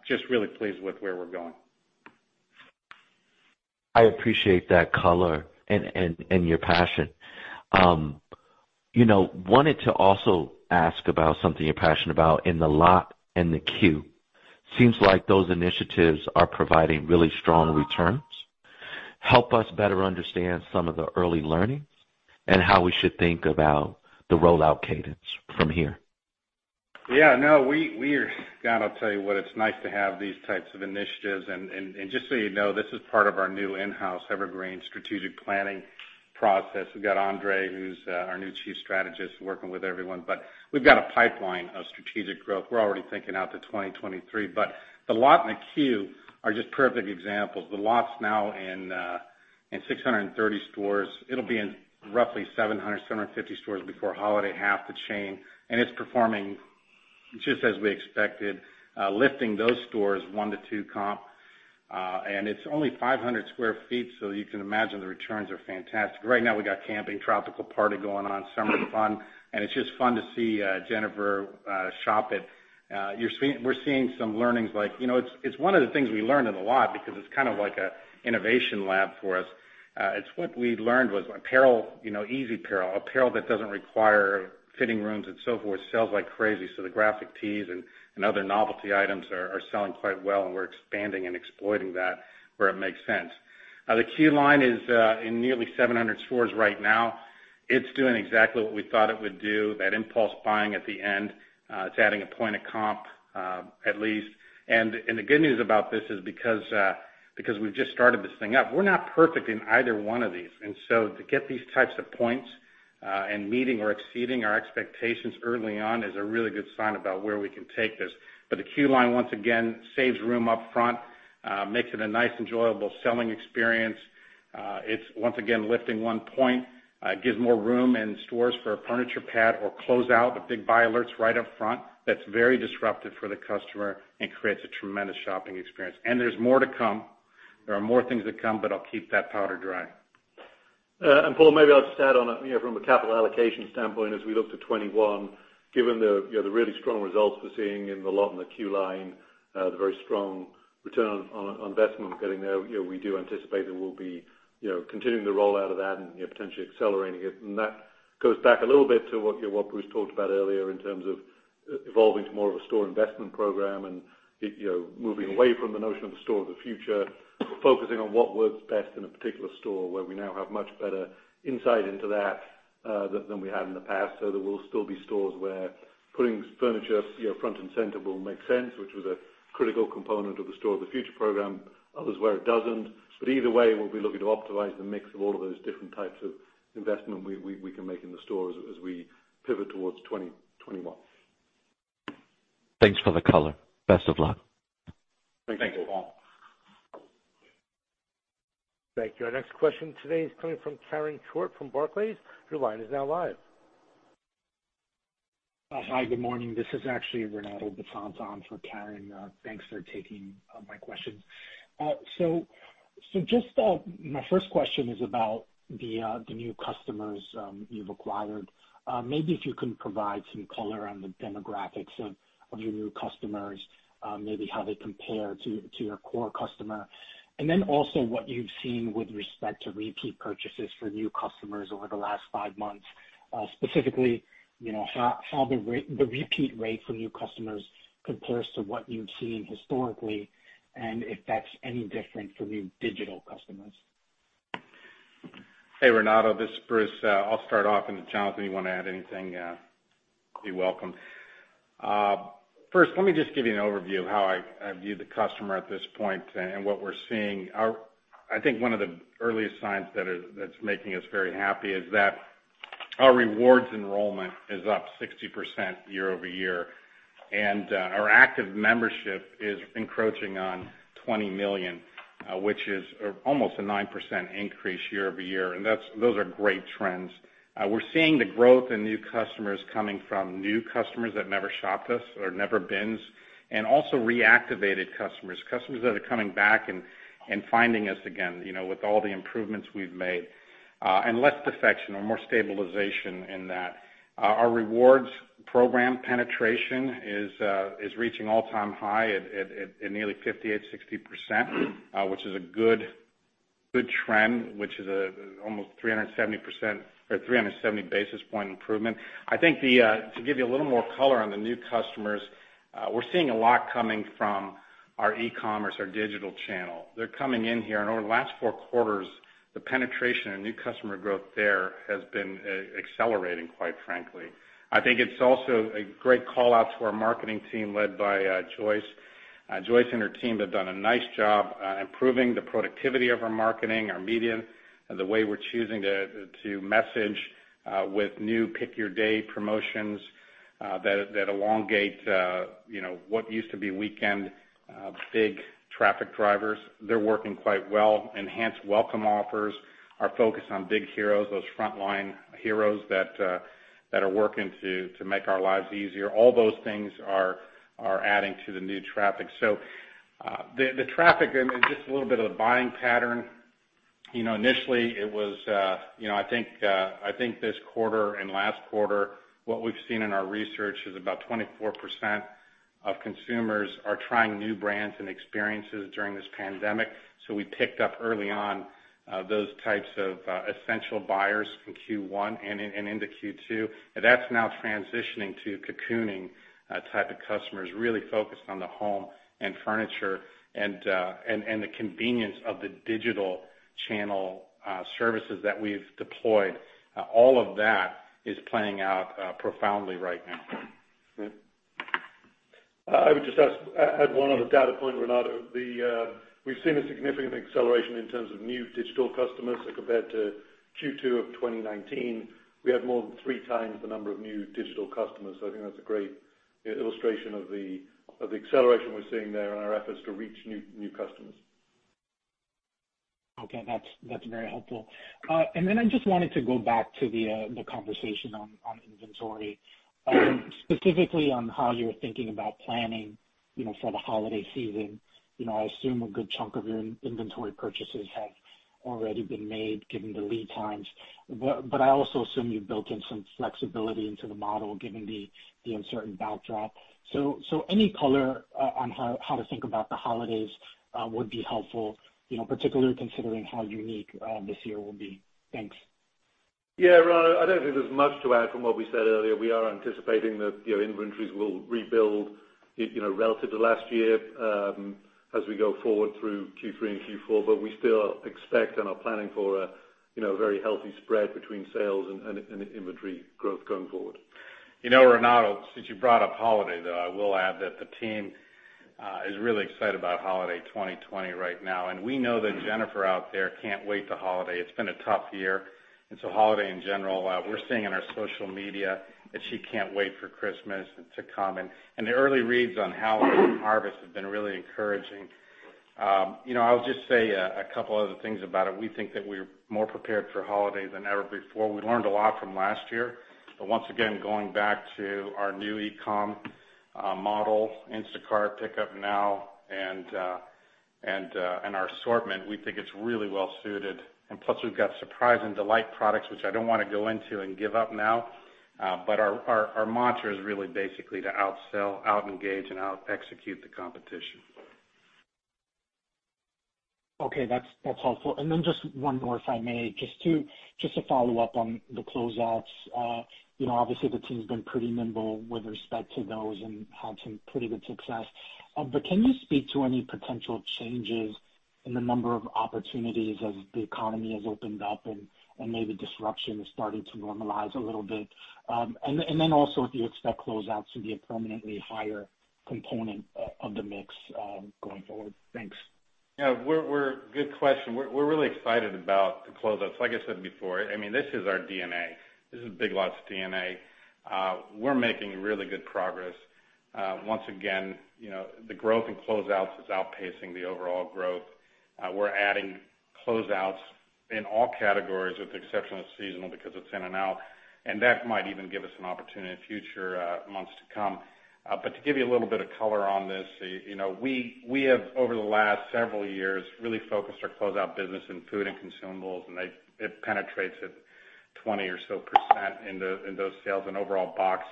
Just really pleased with where we're going. I appreciate that color and your passion. Wanted to also ask about something you're passionate about in The Lot and the Queue Line. Seems like those initiatives are providing really strong returns. Help us better understand some of the early learnings and how we should think about the rollout cadence from here. Yeah. I'll tell you what, it's nice to have these types of initiatives and just so you know, this is part of our new in-house evergreen strategic planning process. We've got Andre, who's our new chief strategist, working with everyone. We've got a pipeline of strategic growth. We're already thinking out to 2023, The Lot and the Queue Line are just perfect examples. The Lot's now in 630 stores. It'll be in roughly 700, 750 stores before holiday, half the chain, and it's performing just as we expected, lifting those stores one to two comp. It's only 500 sq ft, you can imagine the returns are fantastic. Right now, we got camping tropical party going on, summer fun, and it's just fun to see Jennifer shop it. We're seeing some learnings like it's one of the things we learned in The Lot because it's kind of like an innovation lab for us. It's what we learned was apparel, easy apparel that doesn't require fitting rooms and so forth, sells like crazy. The graphic tees and other novelty items are selling quite well, and we're expanding and exploiting that where it makes sense. The Queue Line is in nearly 700 stores right now. It's doing exactly what we thought it would do. That impulse buying at the end, it's adding a point of comp, at least. The good news about this is because we've just started this thing up, we're not perfect in either one of these, and so to get these types of points, and meeting or exceeding our expectations early on is a really good sign about where we can take this. The Queue Line, once again, saves room up front, makes it a nice, enjoyable selling experience. It's, once again, lifting one point. Gives more room in stores for a furniture pad or closeout, the Big Buy Alerts right up front. That's very disruptive for the customer and creates a tremendous shopping experience. There's more to come. There are more things to come, but I'll keep that powder dry. Paul, maybe I'll just add on it, from a capital allocation standpoint, as we look to 2021, given the really strong results we're seeing in The Lot and the Queue Line, the very strong ROI we're getting there, we do anticipate that we'll be continuing the rollout of that and potentially accelerating it. That goes back a little bit to what Bruce talked about earlier in terms of evolving to more of a store investment program and moving away from the notion of the Store of the Future. Focusing on what works best in a particular store where we now have much better insight into that than we had in the past. There will still be stores where putting furniture front and center will make sense, which was a critical component of the Store of the Future program, others where it doesn't. Either way, we'll be looking to optimize the mix of all of those different types of investment we can make in the stores as we pivot towards 2021. Thanks for the color. Best of luck. Thank you. Thank you, Paul. Thank you. Our next question today is coming from Karen Short from Barclays. Your line is now live. Hi. Good morning. This is actually Renato Basanta for Karen. Thanks for taking my questions. Just my first question is about the new customers you've acquired. Maybe if you can provide some color on the demographics of your new customers, maybe how they compare to your core customer, and then also what you've seen with respect to repeat purchases for new customers over the last five months. Specifically, how the repeat rate for new customers compares to what you've seen historically and if that's any different for new digital customers. Hey, Renato, this is Bruce. I'll start off, and Jonathan, you want to add anything, you're welcome. First, let me just give you an overview of how I view the customer at this point and what we're seeing. I think one of the earliest signs that's making us very happy is that our rewards enrollment is up 60% year-over-year. Our active membership is encroaching on 20 million, which is almost a 9% increase year-over-year. Those are great trends. We're seeing the growth in new customers coming from new customers that never shopped us or never been, and also reactivated customers. Customers that are coming back and finding us again with all the improvements we've made, and less defection or more stabilization in that. Our rewards program penetration is reaching all-time high at nearly 58%, 60%, which is a good trend, which is almost a 370 basis points improvement. I think to give you a little more color on the new customers, we're seeing a lot coming from our e-commerce, our digital channel. They're coming in here. Over the last four quarters, the penetration and new customer growth there has been accelerating, quite frankly. I think it's also a great call-out to our marketing team led by Joyce. Joyce and her team have done a nice job improving the productivity of our marketing, our medium, the way we're choosing to message with new pick your day promotions that elongate what used to be weekend big traffic drivers. They're working quite well. Enhanced welcome offers are focused on big heroes, those frontline heroes that are working to make our lives easier. All those things are adding to the new traffic. The traffic and just a little bit of the buying pattern. Initially, I think this quarter and last quarter, what we've seen in our research is about 24% of consumers are trying new brands and experiences during this pandemic. We picked up early on those types of essential buyers from Q1 and into Q2. That's now transitioning to cocooning type of customers, really focused on the home and furniture and the convenience of the digital channel services that we've deployed. All of that is playing out profoundly right now. I would just add one other data point, Renato. We've seen a significant acceleration in terms of new digital customers compared to Q2 of 2019. We have more than three times the number of new digital customers. I think that's a great illustration of the acceleration we're seeing there in our efforts to reach new customers. Okay. That's very helpful. Then I just wanted to go back to the conversation on inventory, specifically on how you're thinking about planning for the holiday season. I assume a good chunk of your inventory purchases have already been made given the lead times, but I also assume you've built in some flexibility into the model, given the uncertain backdrop. Any color on how to think about the holidays would be helpful, particularly considering how unique this year will be? Thanks. Yeah, Renato, I don't think there's much to add from what we said earlier. We are anticipating that inventories will rebuild relative to last year as we go forward through Q3 and Q4. We still expect and are planning for a very healthy spread between sales and inventory growth going forward. Renato, since you brought up holiday, though, I will add that the team is really excited about holiday 2020 right now. We know that Jennifer out there can't wait to holiday. It's been a tough year. Holiday in general, we're seeing in our social media that she can't wait for Christmas to come. The early reads on Halloween harvest have been really encouraging. I'll just say a couple other things about it. We think that we're more prepared for holiday than ever before. We learned a lot from last year. Once again, going back to our new e-commerce model, Instacart Pickup Now, and our assortment, we think it's really well-suited. Plus we've got surprise and delight products, which I don't want to go into and give up now. Our mantra is really basically to outsell, out engage and out execute the competition. Okay. That's helpful. Then just one more, if I may, just to follow up on the closeouts. Obviously, the team's been pretty nimble with respect to those and had some pretty good success. Can you speak to any potential changes in the number of opportunities as the economy has opened up and maybe disruption is starting to normalize a little bit? Then also if you expect closeouts to be a permanently higher component of the mix going forward? Thanks. Good question. We're really excited about the closeouts. Like I said before, this is our DNA. This is Big Lots DNA. We're making really good progress. Once again, the growth in closeouts is outpacing the overall growth. We're adding closeouts in all categories with the exception of seasonal because it's in and out, and that might even give us an opportunity in future months to come. To give you a little bit of color on this, we have, over the last several years, really focused our closeout business in food and consumables, and it penetrates at 20% or so in those sales and overall box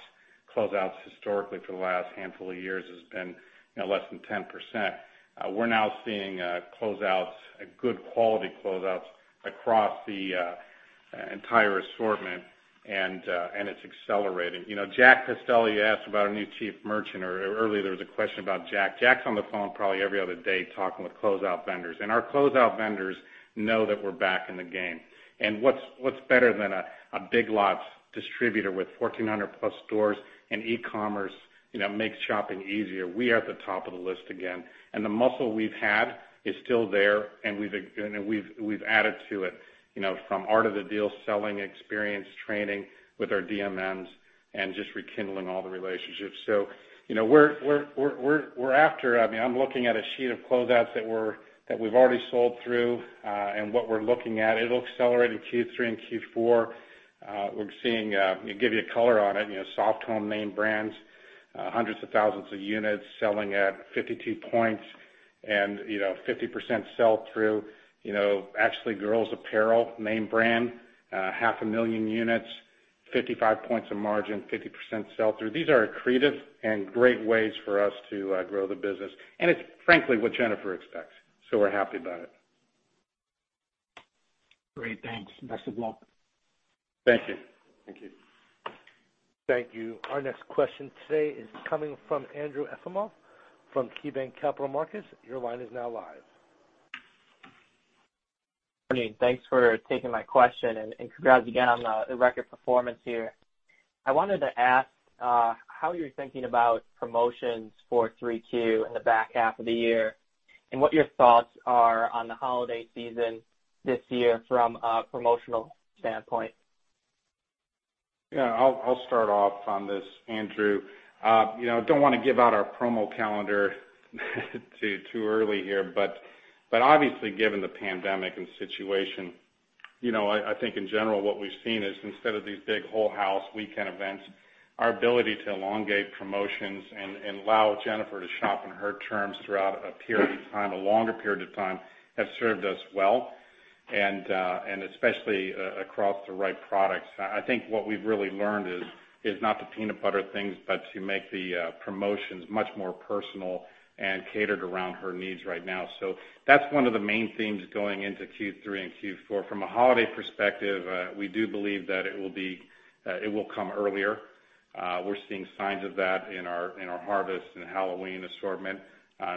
closeouts historically for the last handful of years has been less than 10%. We're now seeing closeouts, good quality closeouts across the entire assortment. It's accelerating. Jack Pestello, you asked about a new chief merchant, or earlier there was a question about Jack. Jack's on the phone probably every other day talking with closeout vendors. Our closeout vendors know that we're back in the game. What's better than a Big Lots distributor with 1,400+ stores and e-commerce, makes shopping easier. We are at the top of the list again, and the muscle we've had is still there, and we've added to it, from art of the deal, selling experience, training with our divisional merchandise manager, and just rekindling all the relationships. I'm looking at a sheet of closeouts that we've already sold through, and what we're looking at, it'll accelerate in Q3 and Q4. Let me give you color on it. Soft home name brands, hundreds of thousands of units selling at 52 points and 50% sell-through. Actually, girls apparel, name brand, 0.5 million units, 55 points of margin, 50% sell-through. These are accretive and great ways for us to grow the business. It's frankly what Jennifer expects, so we're happy about it. Great. Thanks. Best of luck. Thank you. Thank you. Our next question today is coming from Andrew Efimoff from KeyBanc Capital Markets. Your line is now live. Good morning. Thanks for taking my question, and congrats again on the record performance here. I wanted to ask how you're thinking about promotions for 3Q in the back half of the year, and what your thoughts are on the holiday season this year from a promotional standpoint? I'll start off on this, Andrew. Don't want to give out our promo calendar too early here, but obviously, given the pandemic and situation, I think in general what we've seen is instead of these big whole house weekend events, our ability to elongate promotions and allow Jennifer to shop on her terms throughout a period of time, a longer period of time, have served us well. Especially across the right products. I think what we've really learned is not to peanut butter things, but to make the promotions much more personal and catered around her needs right now. That's one of the main themes going into Q3 and Q4. From a holiday perspective, we do believe that it will come earlier. We're seeing signs of that in our harvest and Halloween assortment.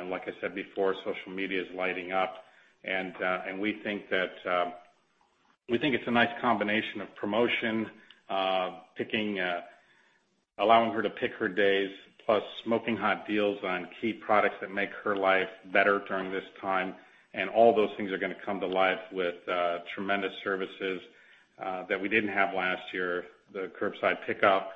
Like I said before, social media is lighting up. We think it's a nice combination of promotion, allowing her to pick her days, plus smoking hot deals on key products that make her life better during this time. All those things are going to come to life with tremendous services that we didn't have last year, the curbside pickup,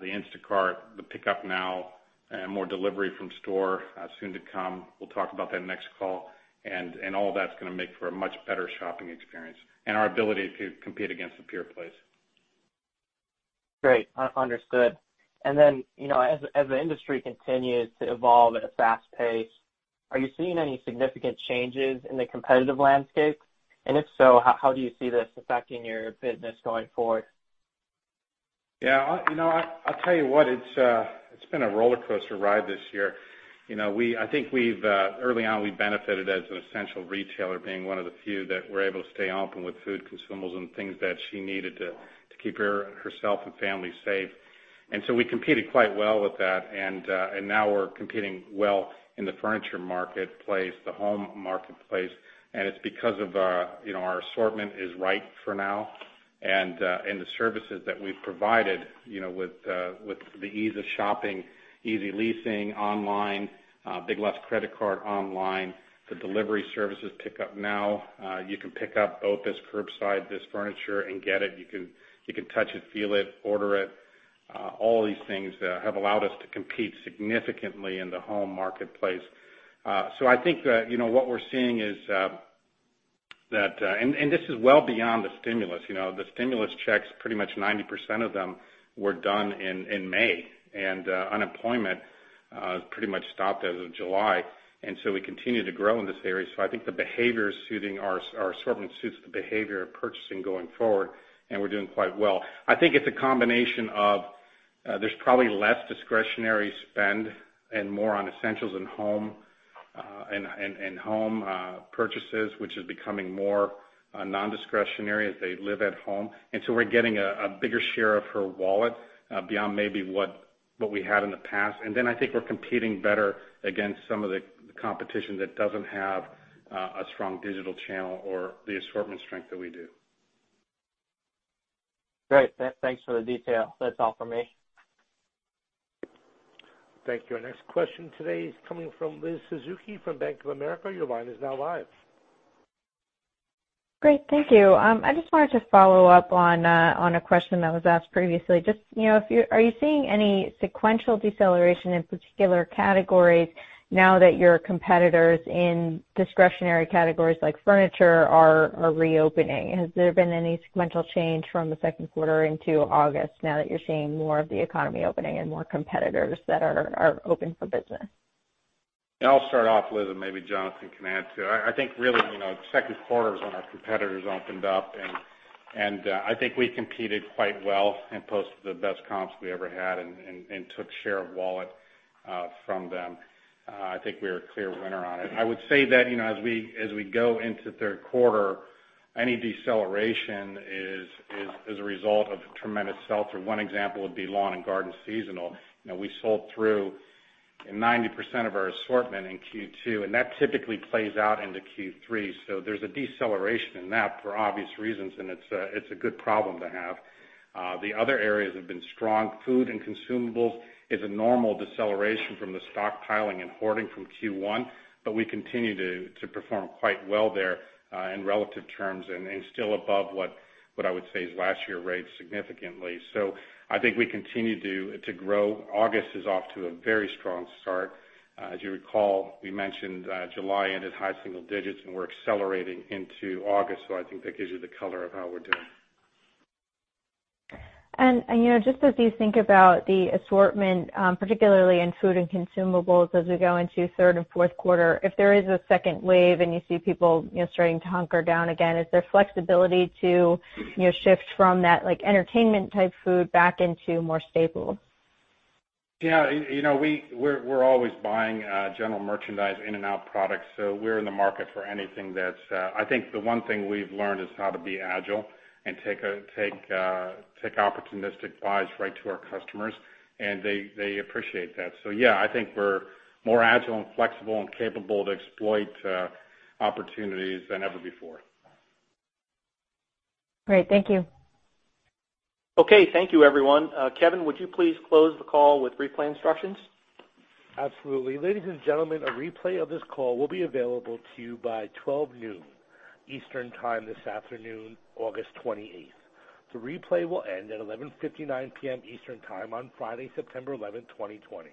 the Instacart, the Pickup Now, and more delivery from store soon to come. We'll talk about that next call, and all that's going to make for a much better shopping experience and our ability to compete against the pure plays. Great. Understood. As the industry continues to evolve at a fast pace, are you seeing any significant changes in the competitive landscape? If so, how do you see this affecting your business going forward? Yeah. I'll tell you what, it's been a roller coaster ride this year. I think early on, we benefited as an essential retailer, being one of the few that were able to stay open with food consumables and things that she needed to keep herself and family safe. We competed quite well with that, and now we're competing well in the furniture marketplace, the home marketplace. It's because of our assortment is right for now and the services that we've provided with the ease of shopping, Easy Leasing online, Big Lots Credit Card online, the delivery services Pickup Now. You can pick up BOPUS curbside, this furniture, and get it. You can touch it, feel it, order it. All these things have allowed us to compete significantly in the home marketplace. I think that what we're seeing is that this is well beyond the stimulus. The stimulus checks, pretty much 90% of them were done in May, and unemployment pretty much stopped as of July. We continue to grow in this area. I think our assortment suits the behavior of purchasing going forward, and we're doing quite well. I think it's a combination of there's probably less discretionary spend and more on essentials and home purchases, which is becoming more non-discretionary as they live at home. We're getting a bigger share of her wallet beyond maybe what we had in the past. Then I think we're competing better against some of the competition that doesn't have a strong digital channel or the assortment strength that we do. Great. Thanks for the detail. That's all from me. Thank you. Our next question today is coming from Liz Suzuki from Bank of America. Your line is now live. Great. Thank you. I just wanted to follow up on a question that was asked previously. Are you seeing any sequential deceleration in particular categories now that your competitors in discretionary categories like furniture are reopening? Has there been any sequential change from the second quarter into August now that you're seeing more of the economy opening and more competitors that are open for business? Yeah, I'll start off, Liz, and maybe Jonathan can add, too. I think really, second quarter is when our competitors opened up, and I think we competed quite well and posted the best comps we ever had and took share of wallet from them. I think we're a clear winner on it. I would say that as we go into third quarter, any deceleration is a result of tremendous sell-through. One example would be lawn and garden seasonal. We sold through 90% of our assortment in Q2, and that typically plays out into Q3. There's a deceleration in that for obvious reasons, and it's a good problem to have. The other areas have been strong. Food and consumables is a normal deceleration from the stockpiling and hoarding from Q1, but we continue to perform quite well there in relative terms and still above what I would say is last year's rates significantly. I think we continue to grow. August is off to a very strong start. As you recall, we mentioned July ended high single digits and we're accelerating into August, so I think that gives you the color of how we're doing. Just as you think about the assortment, particularly in food and consumables as we go into third and fourth quarter, if there is a second wave and you see people starting to hunker down again, is there flexibility to shift from that entertainment type food back into more staples? Yeah. We're always buying general merchandise in and out products, so we're in the market for anything. I think the one thing we've learned is how to be agile and take opportunistic buys right to our customers, and they appreciate that. Yeah, I think we're more agile and flexible and capable to exploit opportunities than ever before. Great. Thank you. Okay. Thank you, everyone. Kevin, would you please close the call with replay instructions? Absolutely. Ladies and gentlemen, a replay of this call will be available to you by twelve noon Eastern time this afternoon, August 28th. The replay will end at 11:59 PM Eastern time on Friday, September 11th, 2020.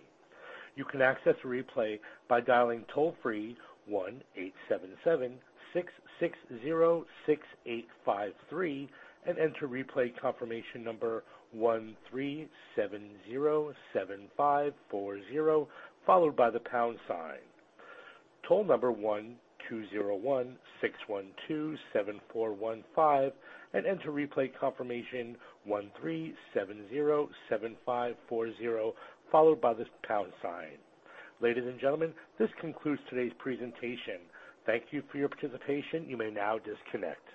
You can access the replay by dialing toll-free 1-877-660-6853 and enter replay confirmation number 13707540, followed by the pound sign. Toll number 1-201-612-7415 and enter replay confirmation 13707540, followed by the pound sign. Ladies and gentlemen, this concludes today's presentation. Thank you for your participation. You may now disconnect.